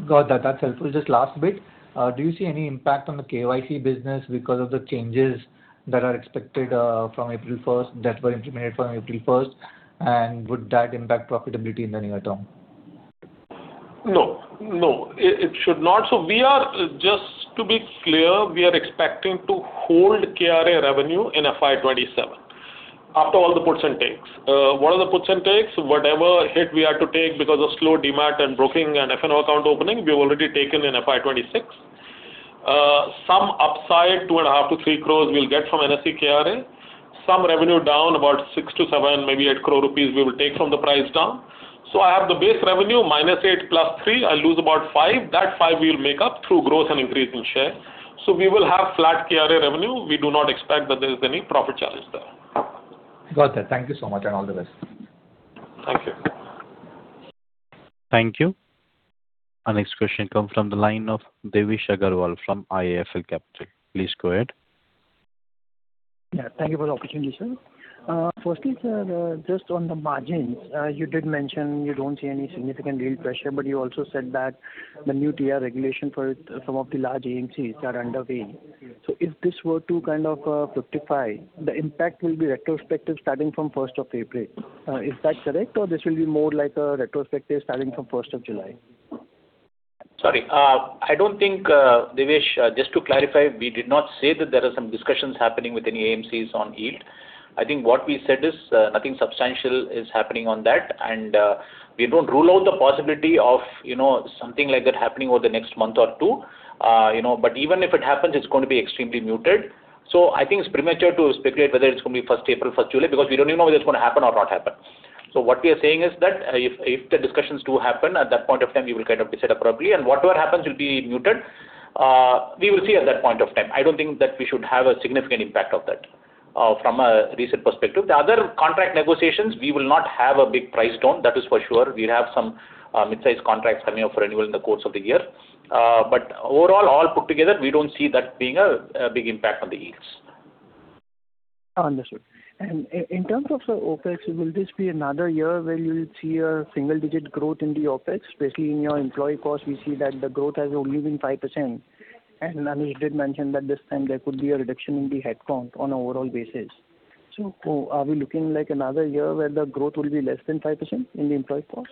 Got that. That's helpful. Just last bit. Do you see any impact on the KYC business because of the changes that are expected from April 1st that were implemented from April 1st? Would that impact profitability in the near term? No. No, it should not. Just to be clear, we are expecting to hold KRA revenue in FY 2027 after all the puts and takes. What are the puts and takes? Whatever hit we had to take because of slow Demat and broking and F&O account opening, we've already taken in FY 2026. Some upside, 2.5 crores-3 crores we'll get from NSE KRA. Some revenue down about 6 crore-7 crore, maybe 8 crore rupees we will take from the price down. I have the base revenue -8 + 3. I lose about 5. That 5 we'll make up through growth and increase in share. We will have flat KRA revenue. We do not expect that there's any profit challenge there. Got that. Thank you so much, and all the best. Thank you. Thank you. Our next question comes from the line of Devesh Agarwal from IIFL Capital. Please go ahead. Yeah. Thank you for the opportunity, sir. Firstly, sir, just on the margins, you did mention you don't see any significant yield pressure, but you also said that the new TR regulation for some of the large AMCs are underway. If this were to kind of fructify, the impact will be retrospective starting from first of April. Is that correct, or this will be more like a retrospective starting from first of July? Sorry. I don't think, Devesh, just to clarify, we did not say that there are some discussions happening with any AMCs on yield. I think what we said is, nothing substantial is happening on that and, we don't rule out the possibility of, you know, something like that happening over the next month or two. You know, even if it happens, it's gonna be extremely muted. I think it's premature to speculate whether it's gonna be first April, first July, because we don't even know whether it's gonna happen or not happen. What we are saying is that if the discussions do happen, at that point of time, we will kind of decide appropriately, and whatever happens will be muted. We will see at that point of time. I don't think that we should have a significant impact of that from a recent perspective. The other contract negotiations, we will not have a big price down. That is for sure. We have some midsize contracts coming up for renewal in the course of the year. Overall, all put together, we don't see that being a big impact on the yields. Understood. In terms of the OpEx, will this be another year where you'll see a single-digit growth in the OpEx, especially in your employee costs? We see that the growth has only been 5%. Anuj did mention that this time there could be a reduction in the headcount on overall basis. Are we looking like another year where the growth will be less than 5% in the employee cost?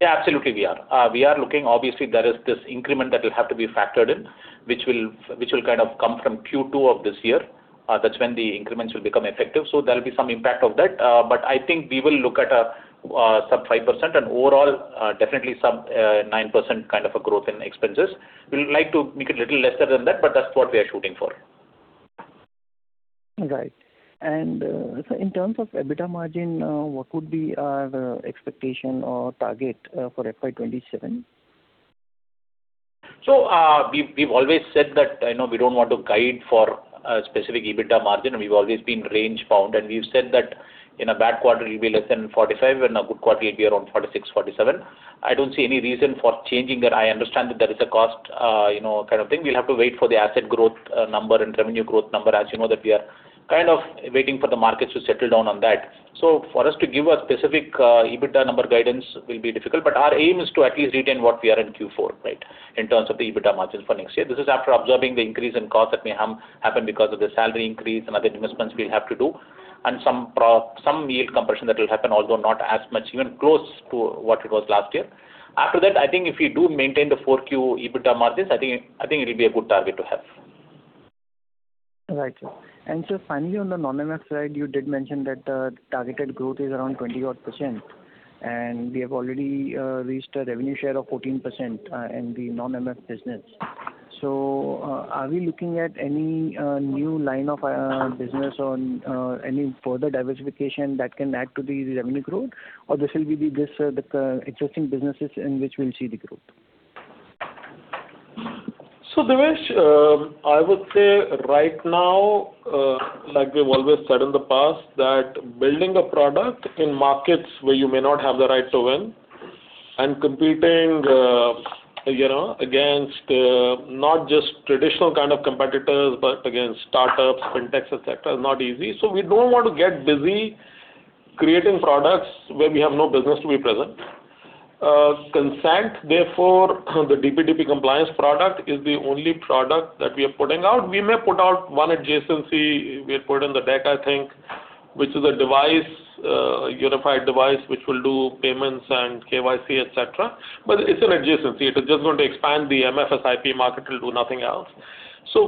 Yeah, absolutely, we are. Obviously, there is this increment that will have to be factored in, which will kind of come from Q2 of this year. That's when the increments will become effective. There'll be some impact of that. I think we will look at sub 5% and overall, definitely some 9% kind of a growth in expenses. We'd like to make it a little lesser than that, but that's what we are shooting for. Right. Sir, in terms of EBITDA margin, what would be our expectation or target, for FY 2027? We've, we've always said that, you know, we don't want to guide for a specific EBITDA margin. We've always been range bound, and we've said that in a bad quarter, it'll be less than 45%, in a good quarter, it'll be around 46%, 47%. I don't see any reason for changing that. I understand that there is a cost, you know, kind of thing. We'll have to wait for the asset growth, number and revenue growth number. As you know that we are kind of waiting for the markets to settle down on that. For us to give a specific EBITDA number guidance will be difficult, but our aim is to at least retain what we are in Q4, right, in terms of the EBITDA margin for next year. This is after absorbing the increase in cost that may happen because of the salary increase and other investments we'll have to do, and some yield compression that will happen, although not as much even close to what it was last year. After that, I think if we do maintain the 4Q EBITDA margins, I think it'll be a good target to have. Right, sir. Sir, finally, on the non-MF side, you did mention that targeted growth is around 20 odd percent, and we have already reached a revenue share of 14% in the non-MF business. Are we looking at any new line of business on any further diversification that can add to the revenue growth, or this will be the existing businesses in which we'll see the growth? Devesh, I would say right now, like we've always said in the past, that building a product in markets where you may not have the right to win and competing, you know, against, not just traditional kind of competitors, but against startups, fintechs, et cetera, is not easy. We don't want to get busy creating products where we have no business to be present. Consen, therefore, the DPDP compliance product is the only product that we are putting out. We may put out one adjacency. We had put in the deck, I think, which is a device, a unified device which will do payments and KYC, et cetera. It's an adjacency. It is just going to expand the MF SIP market. It'll do nothing else.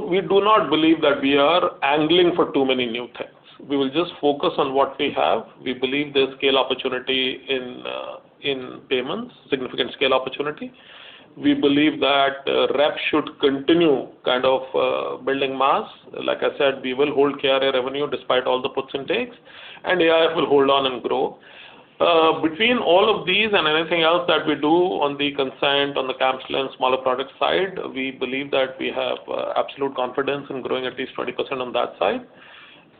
We do not believe that we are angling for too many new things. We will just focus on what we have. We believe there's scale opportunity in payments, significant scale opportunity. We believe that RTA should continue kind of building mass. Like I said, we will hold KRA revenue despite all the puts and takes, and AIF will hold on and grow. Between all of these and anything else that we do on the consent on the CAMS and smaller product side, we believe that we have absolute confidence in growing at least 20% on that side.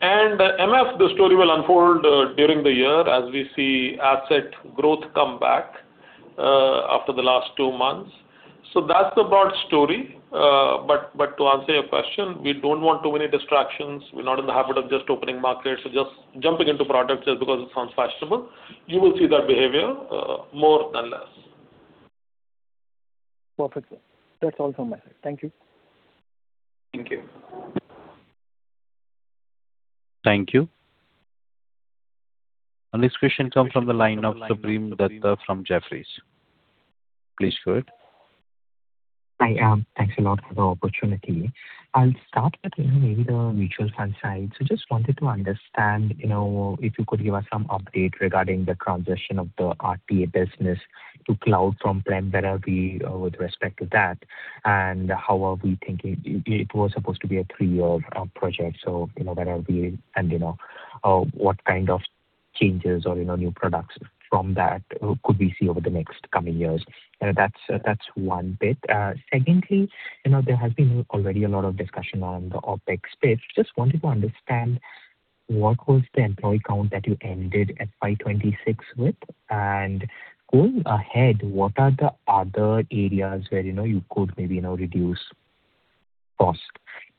MF, the story will unfold during the year as we see asset growth come back after the last two months. That's the broad story. To answer your question, we don't want too many distractions. We're not in the habit of just opening markets or just jumping into products just because it sounds fashionable. You will see that behavior, more than less. Perfect, sir. That's all from my side. Thank you. Thank you. Thank you. The next question comes from the line of Supratim Datta from Jefferies. Please go ahead. Hi. Thanks a lot for the opportunity. I'll start with, you know, maybe the mutual fund side. Just wanted to understand, you know, if you could give us some update regarding the transition of the RTA business to cloud from prem. Where are we with respect to that, and how are we thinking? It was supposed to be a 3-year project, you know, where are we and, you know, what kind of changes or, you know, new products from that could we see over the next coming years? That's one bit. Secondly, you know, there has been already a lot of discussion on the OpEx space. Just wanted to understand what was the employee count that you ended at FY 2026 with. Going ahead, what are the other areas where, you know, you could maybe now reduce cost?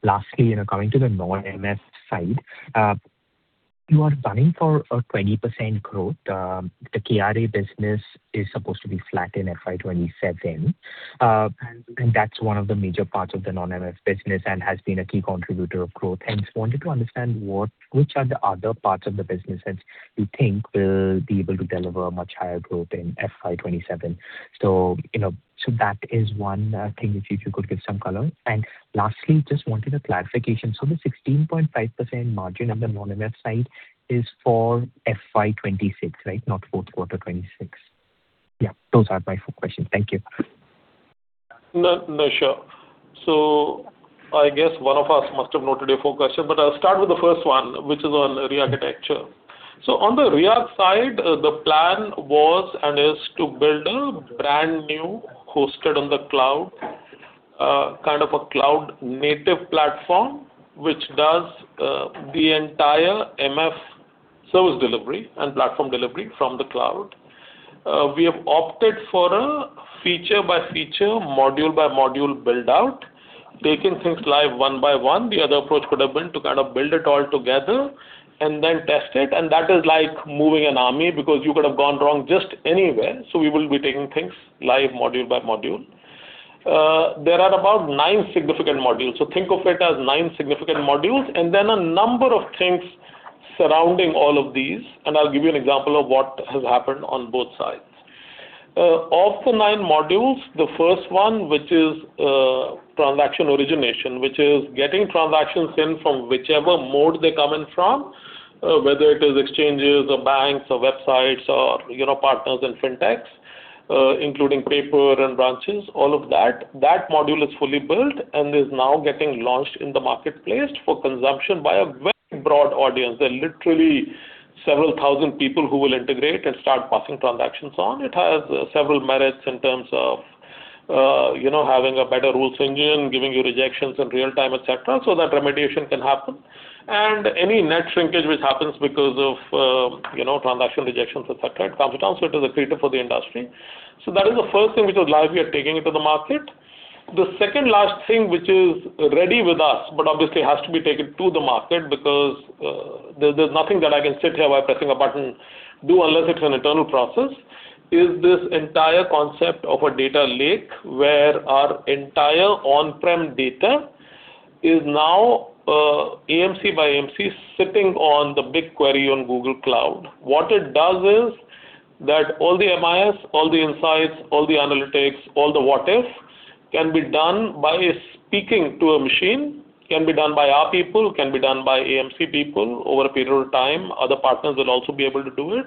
Lastly, you know, coming to the non-MF side, you are gunning for a 20% growth. The KRA business is supposed to be flat in FY 2027, and that's one of the major parts of the non-MF business and has been a key contributor of growth. Just wanted to understand which are the other parts of the business that you think will be able to deliver much higher growth in FY 2027. You know, so that is one thing if you could give some color. Lastly, just wanted a clarification. The 16.5% margin on the non-MF side is for FY 2026, right? Not fourth quarter 2026. Yeah, those are my four questions. Thank you. No, no, sure. I guess one of us must have noted your four questions, but I'll start with the first one, which is on re-architecture. On the re-arch side, the plan was and is to build a brand new, hosted on the cloud, kind of a cloud-native platform which does the entire MF service delivery and platform delivery from the cloud. We have opted for a feature-by-feature, module-by-module build-out, taking things live one by one. The other approach could have been to kind of build it all together and then test it, and that is like moving an army because you could have gone wrong just anywhere. We will be taking things live module by module. There are about nine significant modules. Think of it as nine significant modules and then a number of things surrounding all of these, and I'll give you an example of what has happened on both sides. Of the nine modules, the first one, which is transaction origination, which is getting transactions in from whichever mode they come in from, whether it is exchanges or banks or websites or, you know, partners and fintechs, including paper and branches, all of that. That module is fully built and is now getting launched in the marketplace for consumption by a very broad audience. There are literally several thousand people who will integrate and start passing transactions on. It has several merits in terms of, you know, having a better rules engine, giving you rejections in real time, et cetera, so that remediation can happen. Any net shrinkage which happens because of, you know, transaction rejections, et cetera, it comes down. It is a creator for the industry. That is the first thing which is live. We are taking it to the market. The second last thing which is ready with us, but obviously has to be taken to the market because, there's nothing that I can sit here by pressing a button do unless it's an internal process, is this entire concept of a data lake where our entire on-prem data is now, AMC by AMC sitting on the BigQuery on Google Cloud. What it does is that all the MIS, all the insights, all the analytics, all the what-ifs can be done by speaking to a machine, can be done by our people, can be done by AMC people over a period of time. Other partners will also be able to do it.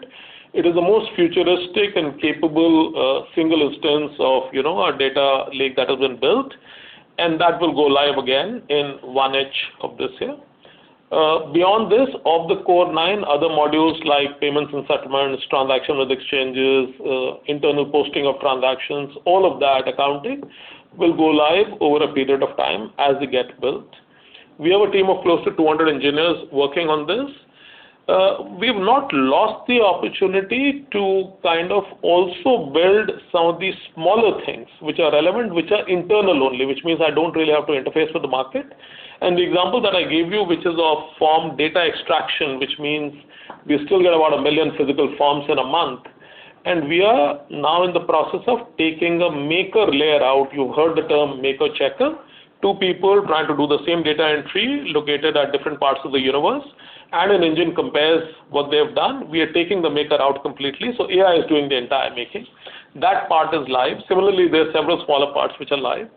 It is the most futuristic and capable, single instance of, you know, a data lake that has been built, and that will go live again in one edge of this year. Beyond this, of the core nine, other modules like payments and settlements, transactional exchanges, internal posting of transactions, all of that accounting will go live over a period of time as they get built. We have a team of close to 200 engineers working on this. We've not lost the opportunity to kind of also build some of these smaller things which are relevant, which are internal only, which means I don't really have to interface with the market. The example that I gave you, which is of form data extraction, which means we still get about 1 million physical forms in a month, and we are now in the process of taking a maker layer out. You've heard the term maker-checker. Two people trying to do the same data entry located at different parts of the universe, and an engine compares what they have done. We are taking the maker out completely. AI is doing the entire making. That part is live. Similarly, there are several smaller parts which are live.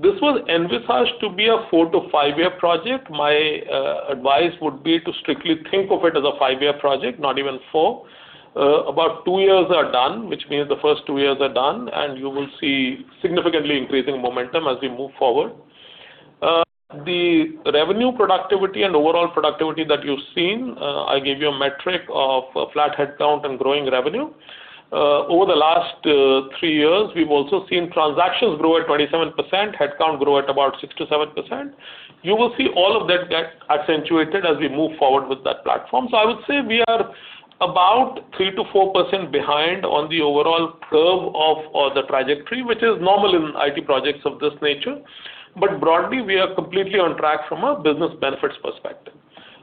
This was envisaged to be a 4 to 5-year project. My advice would be to strictly think of it as a 5-year project, not even 4. About 2 years are done, which means the first 2 years are done, and you will see significantly increasing momentum as we move forward. The revenue productivity and overall productivity that you've seen, I gave you a metric of flat headcount and growing revenue. Over the last 3 years, we've also seen transactions grow at 27%, headcount grow at about 6%-7%. You will see all of that get accentuated as we move forward with that platform. I would say we are about 3% -4% behind on the overall curve of the trajectory, which is normal in IT projects of this nature. Broadly, we are completely on track from a business benefits perspective.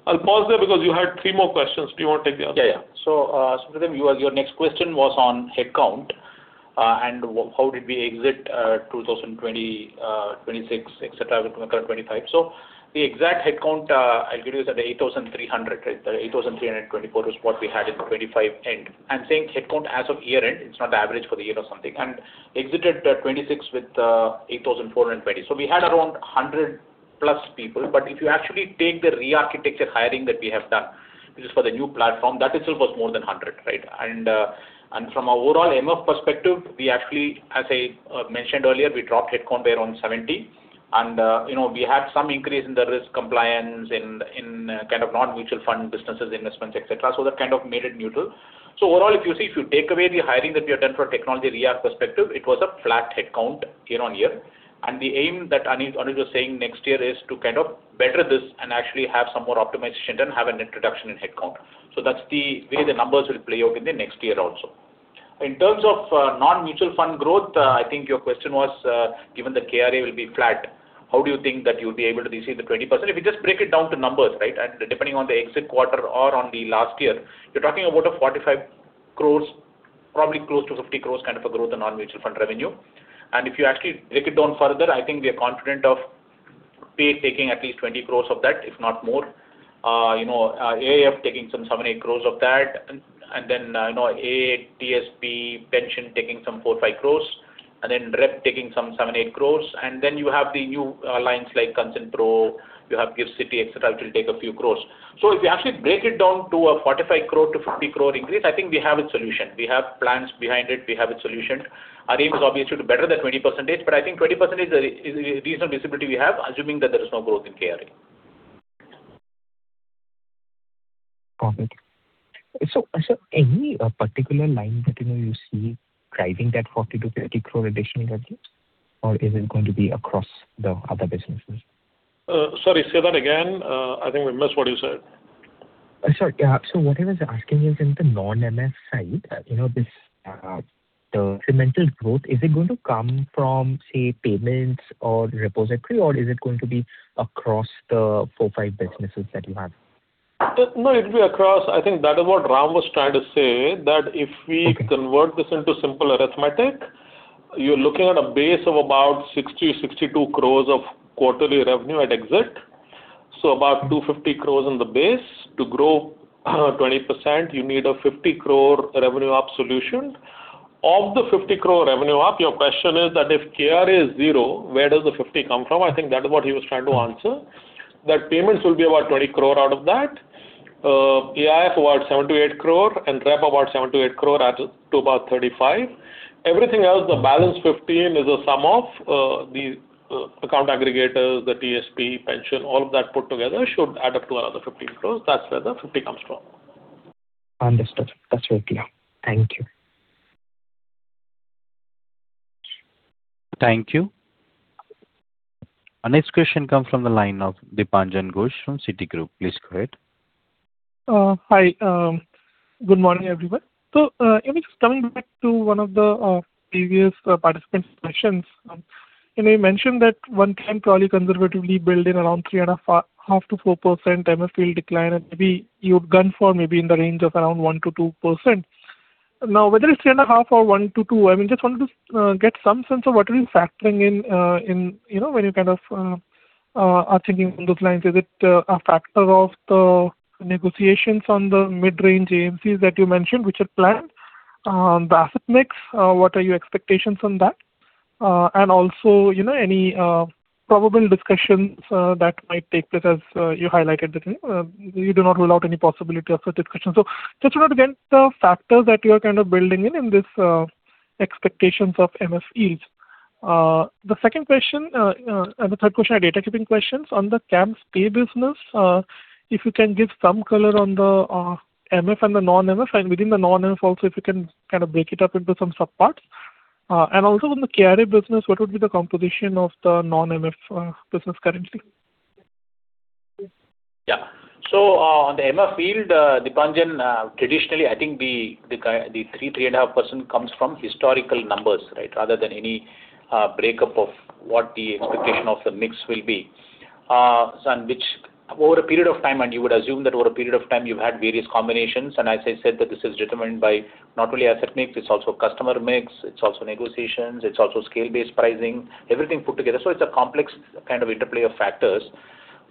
I'll pause there because you had three more questions. Do you wanna take the other two? Yeah. Supratim, your next question was on headcount, and how did we exit 2026, et cetera, with the current 2025. The exact headcount I'll give you is at 8,300, right. The 8,324 is what we had in 2025 end. I'm saying headcount as of year-end, it's not the average for the year or something. Exited 2026 with 8,420. We had around 100+ people. If you actually take the re-architecture hiring that we have done, which is for the new platform, that itself was more than 100, right? From overall MF perspective, we actually, as I mentioned earlier, we dropped headcount by around 70. You know, we had some increase in the risk compliance in kind of non-mutual fund businesses, investments, et cetera. That kind of made it neutral. Overall, if you see, if you take away the hiring that we have done for technology re-arch perspective, it was a flat headcount year-on-year. The aim that Anuj was saying next year is to kind of better this and actually have some more optimization and have a net reduction in headcount. That's the way the numbers will play out in the next year also. In terms of non-mutual fund growth, I think your question was, given the KRA will be flat, how do you think that you'll be able to receive the 20%? If you just break it down to numbers, right, and depending on the exit quarter or on the last year, you're talking about a 45 crores, probably close to 50 crores kind of a growth in non-mutual fund revenue. If you actually break it down further, I think we are confident of CAMSPay taking at least 20 crores of that, if not more. You know, AIF taking some 7 cores, 8 crores of that. Then, you know, TSP, pension taking some 4 crores, 5 crores. Repository taking some 7 crores, 8 crores. You have the new lines like ConsenPro, you have GIFT City, et cetera, which will take a few crores. If you actually break it down to a 45 crore-50 crore increase, I think we have a solution. We have plans behind it. We have a solution. Our aim is obviously to better the 20%, but I think 20% is a reasonable visibility we have, assuming that there is no growth in KRA. Perfect. Sir, any particular line that, you know, you see driving that 40 crore-50 crore additional revenue? Or is it going to be across the other businesses? Sorry, say that again. I think we missed what you said. Sir, yeah. What I was asking is in the non-MF side, you know, this, the incremental growth, is it going to come from, say, payments or repository? Is it going to be across the four, five businesses that you have? No, it'll be across. I think that is what Ram was trying to say, that if we convert this into simple arithmetic, you're looking at a base of about 60 crore-62 crore of quarterly revenue at exit. About 250 crore in the base. To grow 20%, you need a 50 crore revenue up solution. Of the 50 crore revenue up, your question is that if KRA is zero, where does the 50 come from? I think that is what he was trying to answer. Payments will be about 20 crore out of that. AIF about 7 crore-8 crore, and repository about 7 crore-8 crore adds up to about 35 core. Everything else, the balance 15 crore is a sum of the account aggregators, the TSP, pension, all of that put together should add up to another 15 crore. That's where the 50 crore comes from. Understood. That's very clear. Thank you. Thank you. Our next question comes from the line of Dipanjan Ghosh from Citigroup. Please go ahead. Hi. Good morning, everyone. Maybe just coming back to one of the previous participant's questions. You know, you mentioned that one can probably conservatively build in around 3.5%-4% MF field decline, and maybe you'd gun for maybe in the range of around 1%-2%. Whether it's 3.5% or 1%-2%, I mean, just wanted to get some sense of what are you factoring in, you know, when you kind of are thinking along those lines. Is it a factor of the negotiations on the mid-range AMCs that you mentioned, which are planned? The asset mix, what are your expectations on that? Also, you know, any probable discussions that might take place as you highlighted that you do not rule out any possibility of further discussion. Just to run against the factors that you are kind of building in this expectations of MF fees. The second question, the third question are data-keeping questions. On the CAMSPay business, if you can give some color on the MF and the non-MF, and within the non-MF also, if you can kind of break it up into some subparts. Also on the KRA business, what would be the composition of the non-MF business currently? Yeah. On the MF field, Dipanjan, traditionally, I think the 3%, 3.5% comes from historical numbers, right? Rather than any breakup of what the expectation of the mix will be. Over a period of time, and you would assume that over a period of time you've had various combinations. As I said that this is determined by not only asset mix, it's also customer mix, it's also negotiations, it's also scale-based pricing, everything put together. It's a complex kind of interplay of factors.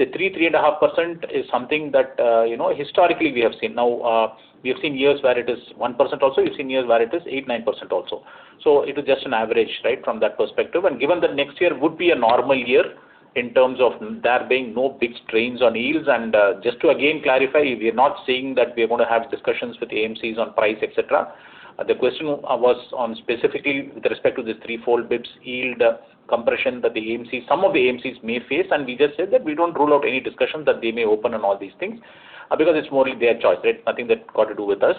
The 3%, 3.5% is something that, you know, historically we have seen. Now, we have seen years where it is 1% also, we've seen years where it is 8%, 9% also. It is just an average, right? From that perspective. Given that next year would be a normal year in terms of there being no big strains on yields. Just to again clarify, we are not saying that we are gonna have discussions with AMCs on price, et cetera. The question was on specifically with respect to the 3-fold basis points yield compression that the AMC, some of the AMCs may face, and we just said that we don't rule out any discussion that they may open on all these things, because it's more their choice, right? Nothing that got to do with us.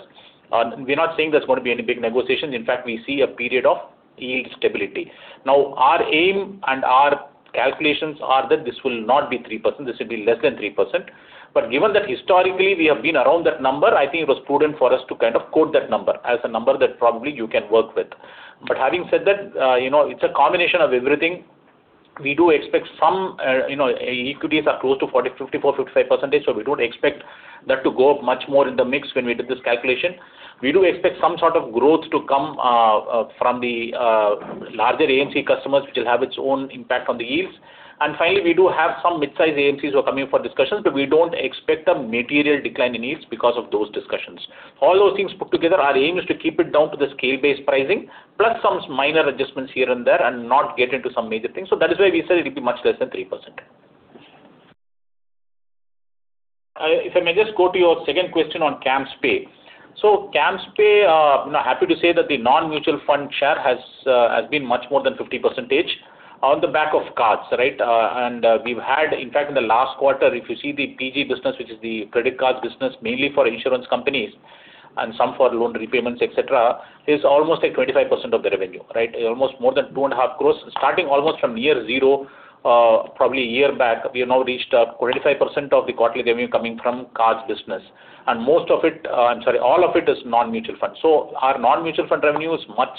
We're not saying there's gonna be any big negotiations. In fact, we see a period of yield stability. Now, our aim and our calculations are that this will not be 3%, this will be less than 3%. Given that historically we have been around that number, I think it was prudent for us to kind of quote that number as a number that probably you can work with. Having said that, you know, it's a combination of everything. We do expect some, you know, equities are close to 40%, 54%, 55%, so we don't expect that to go up much more in the mix when we did this calculation. We do expect some sort of growth to come from the larger AMC customers, which will have its own impact on the yields. Finally, we do have some mid-size AMCs who are coming for discussions, but we don't expect a material decline in yields because of those discussions. All those things put together, our aim is to keep it down to the scale-based pricing plus some minor adjustments here and there and not get into some major things. That is why we said it'll be much less than 3%. If I may just go to your second question on CAMSPay. CAMSPay, happy to say that the non-mutual fund share has been much more than 50% on the back of cards, right? In fact, in the last quarter, if you see the PG business, which is the credit card business, mainly for insurance companies and some for loan repayments, et cetera, is almost, like, 25% of the revenue, right? Almost more than 2.5 crores. Starting almost from year zero, probably a year back, we have now reached 25% of the quarterly revenue coming from cards business. Most of it, I'm sorry, all of it is non-mutual funds. Our non-mutual fund revenue is much,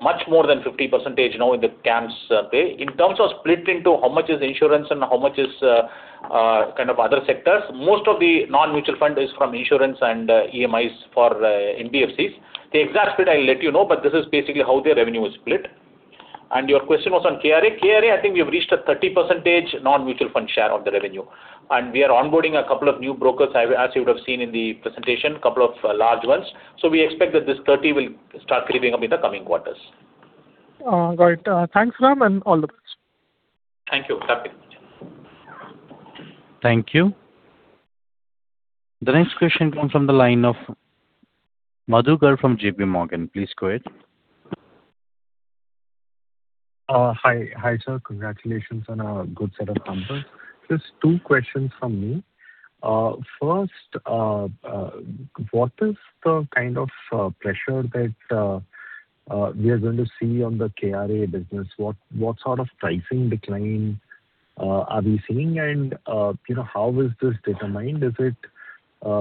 much more than 50% now in the CAMSPay. In terms of split into how much is insurance and how much is kind of other sectors, most of the non-mutual fund is from insurance and EMIs for NBFCs. The exact split I'll let you know, this is basically how their revenue is split. Your question was on KRA. KRA, I think we have reached a 30% non-mutual fund share of the revenue, and we are onboarding a couple of new brokers, as you would have seen in the presentation, couple of large ones. We expect that this 30% will start creeping up in the coming quarters. Got it. Thanks, Ram, and all the best. Thank you. Thank you. Thank you. The next question comes from the line of Madhukar from JPMorgan. Please go ahead. Hi. Hi, sir. Congratulations on a good set of numbers. Just two questions from me. First, what is the kind of pressure that we are going to see on the KRA business? What sort of pricing decline are we seeing? You know, how is this determined? Is it?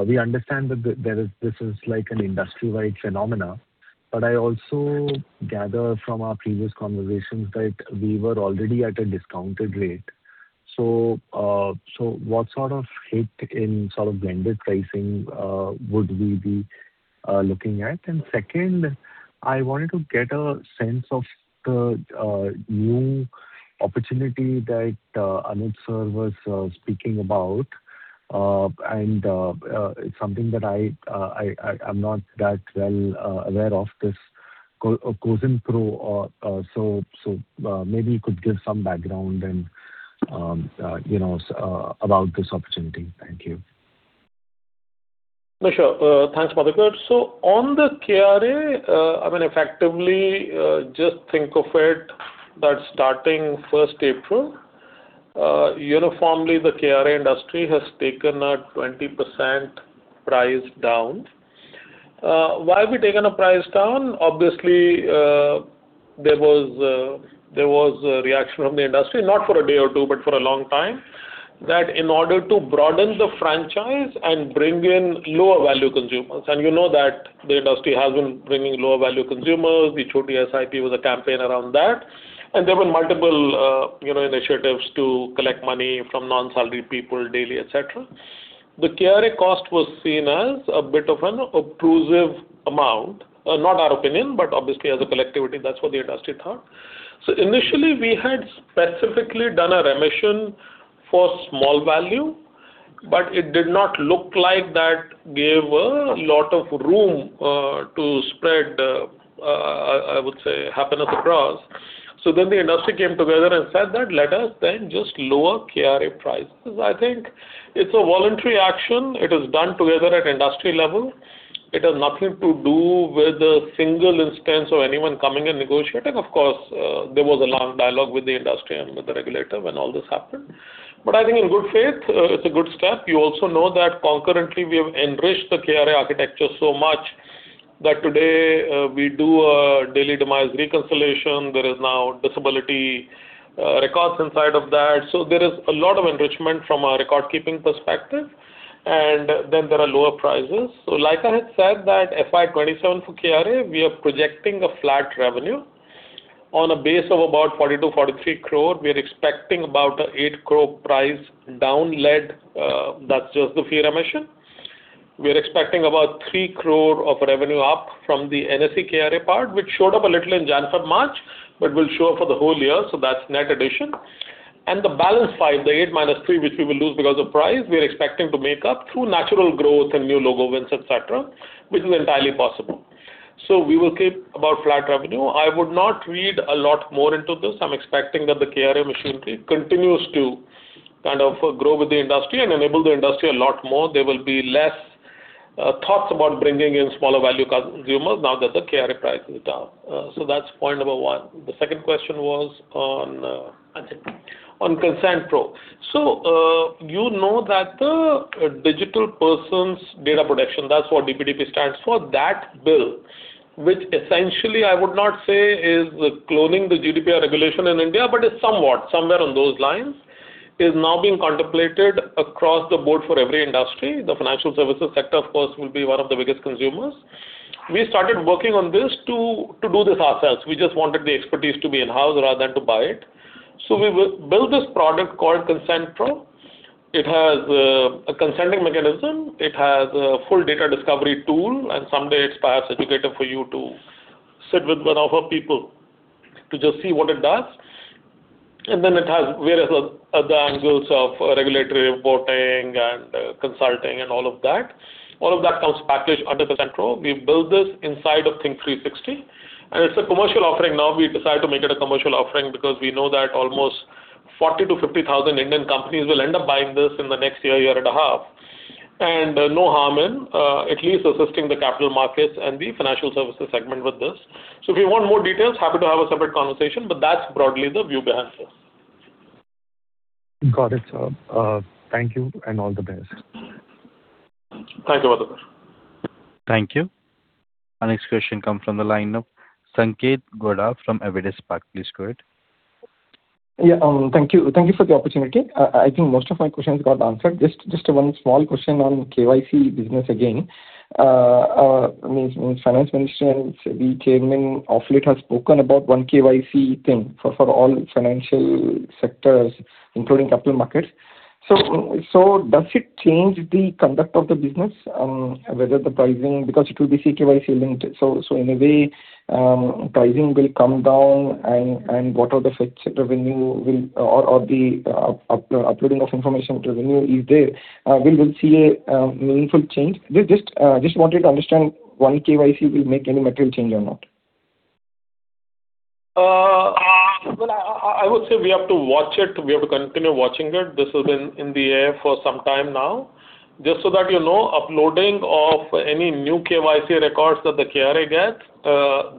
We understand that there is, this is like an industry-wide phenomena, but I also gather from our previous conversations that we were already at a discounted rate. What sort of hit in sort of blended pricing would we be looking at? Second, I wanted to get a sense of the new opportunity that Anuj sir was speaking about. It's something that I'm not that well aware of this ConsenPro, so maybe you could give some background and, you know, about this opportunity. Thank you. Sure. Thanks, Madhukar. On the KRA, I mean, effectively, just think of it that starting 1st April, uniformly the KRA industry has taken a 20% price down. Why have we taken a price down? Obviously, there was a reaction from the industry, not for a day or two, but for a long time, that in order to broaden the franchise and bring in lower value consumers, and you know that the industry has been bringing lower value consumers. The Choti SIP was a campaign around that. There were multiple, you know, initiatives to collect money from non-salary people daily, et cetera. The KRA cost was seen as a bit of an obtrusive amount. Not our opinion, but obviously as a collectivity, that's what the industry thought. Initially, we had specifically done a remission for small value, but it did not look like that gave a lot of room to spread, I would say, happen across. The industry came together and said that let us then just lower KRA prices. I think it's a voluntary action. It is done together at industry level. It has nothing to do with a single instance of anyone coming and negotiating. Of course, there was a long dialogue with the industry and with the regulator when all this happened. I think in good faith, it's a good step. You also know that concurrently, we have enriched the KRA architecture so much that today, we do a daily Demat reconciliation. There is now visibility records inside of that. There is a lot of enrichment from a record-keeping perspective, and then there are lower prices. Like I had said that FY 2027 for KRA, we are projecting a flat revenue. On a base of about 42 crore-43 crore, we're expecting about 8 crore price down lead. That's just the fee remission. We're expecting about 3 crore of revenue up from the NSE KRA part, which showed up a little in January, February, March, but will show up for the whole year, that's net addition. The balance 5 crore, the 8 crore - 3 crore, which we will lose because of price, we are expecting to make up through natural growth and new logo wins, et cetera, which is entirely possible. We will keep about flat revenue. I would not read a lot more into this. I'm expecting that the KRA machinery continues to kind of grow with the industry and enable the industry a lot more. There will be less talks about bringing in smaller value consumers now that the KRA price is down. That's point number 1. The second question was on ConsenPro. You know that the Digital Personal Data Protection, that's what DPDP stands for, that bill, which essentially I would not say is cloning the GDPR regulation in India, but it's somewhat, somewhere on those lines, is now being contemplated across the board for every industry. The financial services sector, of course, will be one of the biggest consumers. We started working on this to do this ourselves. We just wanted the expertise to be in-house rather than to buy it. We built this product called ConsenPro. It has a consenting mechanism. It has a full data discovery tool, and someday it's perhaps integrated for you to sit with one of our people to just see what it does. It has various other angles of regulatory reporting and consulting and all of that. All of that comes packaged under ConsenPro. We build this inside of Think360, and it's a commercial offering now. We decided to make it a commercial offering because we know that almost 40,000-50,000 Indian companies will end up buying this in the next year and a half. No harm in, at least assisting the capital markets and the financial services segment with this. If you want more details, happy to have a separate conversation, but that's broadly the view behind this. Got it, sir. Thank you and all the best. Thank you. Thank you. Our next question comes from the line of Sanketh Godha from Avendus Spark. Please go ahead. Yeah. Thank you. Thank you for the opportunity. I think most of my questions got answered. Just one small question on KYC business again. I mean, finance ministers, the chairman of late has spoken about one KYC thing for all financial sectors, including capital markets. Does it change the conduct of the business? Whether the pricing, because it will be CKYC limited, in a way, pricing will come down and what are the effects that revenue will or the uploading of information revenue is there, we will see a meaningful change? We just wanted to understand one KYC will make any material change or not. Well, I would say we have to watch it. We have to continue watching it. This has been in the air for some time now. Just so that you know, uploading of any new KYC records that the KRA gets,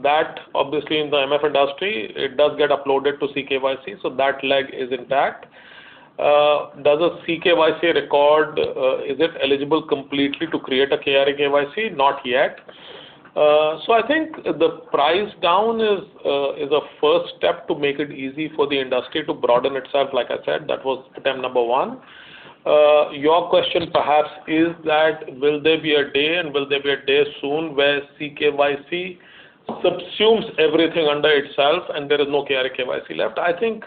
that obviously in the MF industry, it does get uploaded to CKYC, so that leg is intact. Does a CKYC record, is it eligible completely to create a KRA KYC? Not yet. So I think the price down is a first step to make it easy for the industry to broaden itself. Like I said, that was attempt number one. Your question perhaps is that will there be a day and will there be a day soon where CKYC subsumes everything under itself and there is no KRA KYC left? I think,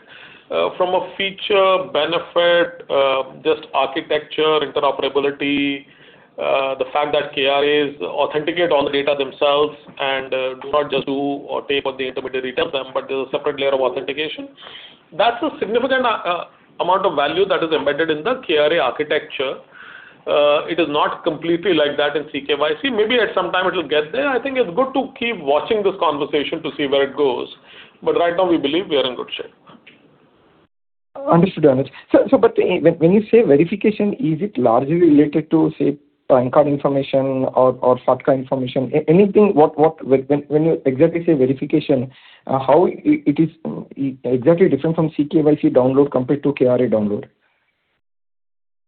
from a feature, benefit, just architecture, interoperability, the fact that KRAs authenticate all the data themselves and do not just do or tape what the intermediary tells them, but there's a separate layer of authentication. That's a significant amount of value that is embedded in the KRA architecture. It is not completely like that in CKYC. Maybe at some time it'll get there. I think it's good to keep watching this conversation to see where it goes. Right now we believe we are in good shape. Understood, Anuj. When you say verification, is it largely related to, say, PAN card information or FATCA information? Anything, when you exactly say verification, how it is exactly different from CKYC download compared to KRA download?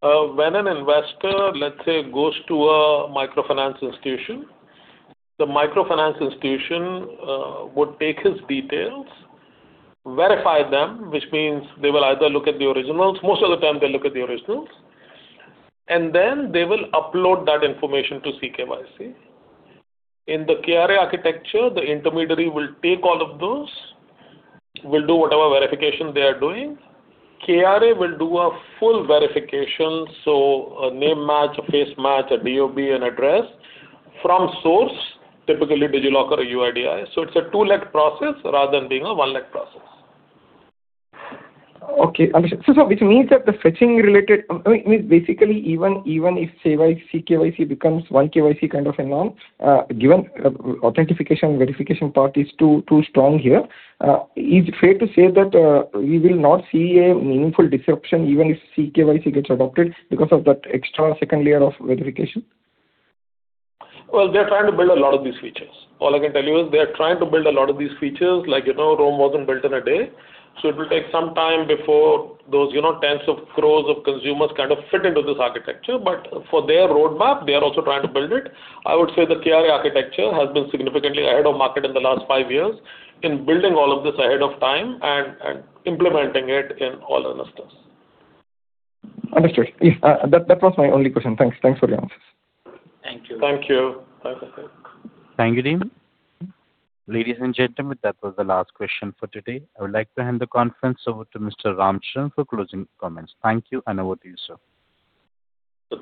When an investor, let's say, goes to a microfinance institution, the microfinance institution would take his details, verify them, which means they will either look at the originals. Most of the time they look at the originals. Then they will upload that information to CKYC. In the KRA architecture, the intermediary will take all of those, will do whatever verification they are doing. KRA will do a full verification, so a name match, a face match, a DOB, an address from source, typically DigiLocker or UIDAI. It's a two-leg process rather than being a one-leg process. Okay. Understood. I mean, basically even if, say, CKYC becomes one KYC kind of a norm, given, authentication verification part is too strong here, is it fair to say that, we will not see a meaningful disruption even if CKYC gets adopted because of that extra second layer of verification? Well, they're trying to build a lot of these features. All I can tell you is they are trying to build a lot of these features. Like, you know, Rome wasn't built in a day, so it will take some time before those, you know, tens of crores of consumers kind of fit into this architecture. For their roadmap, they are also trying to build it. I would say the KRA architecture has been significantly ahead of market in the last five years in building all of this ahead of time and implementing it in all investors. Understood. Yes, that was my only question. Thanks. Thanks for the answers. Thank you. Thank you. Thanks again. Thank you, team. Ladies and gentlemen, that was the last question for today. I would like to hand the conference over to Mr. Ram Charan for closing comments. Thank you. Over to you, sir.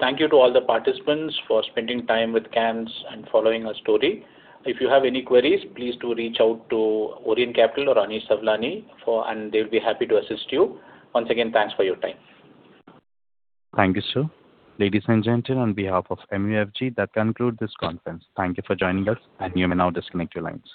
Thank you to all the participants for spending time with CAMS and following our story. If you have any queries, please do reach out to Orient Capital or Anish Sawlani, and they'll be happy to assist you. Once again, thanks for your time. Thank you, sir. Ladies and gentlemen, on behalf of MUFG, that concludes this conference. Thank you for joining us. You may now disconnect your lines.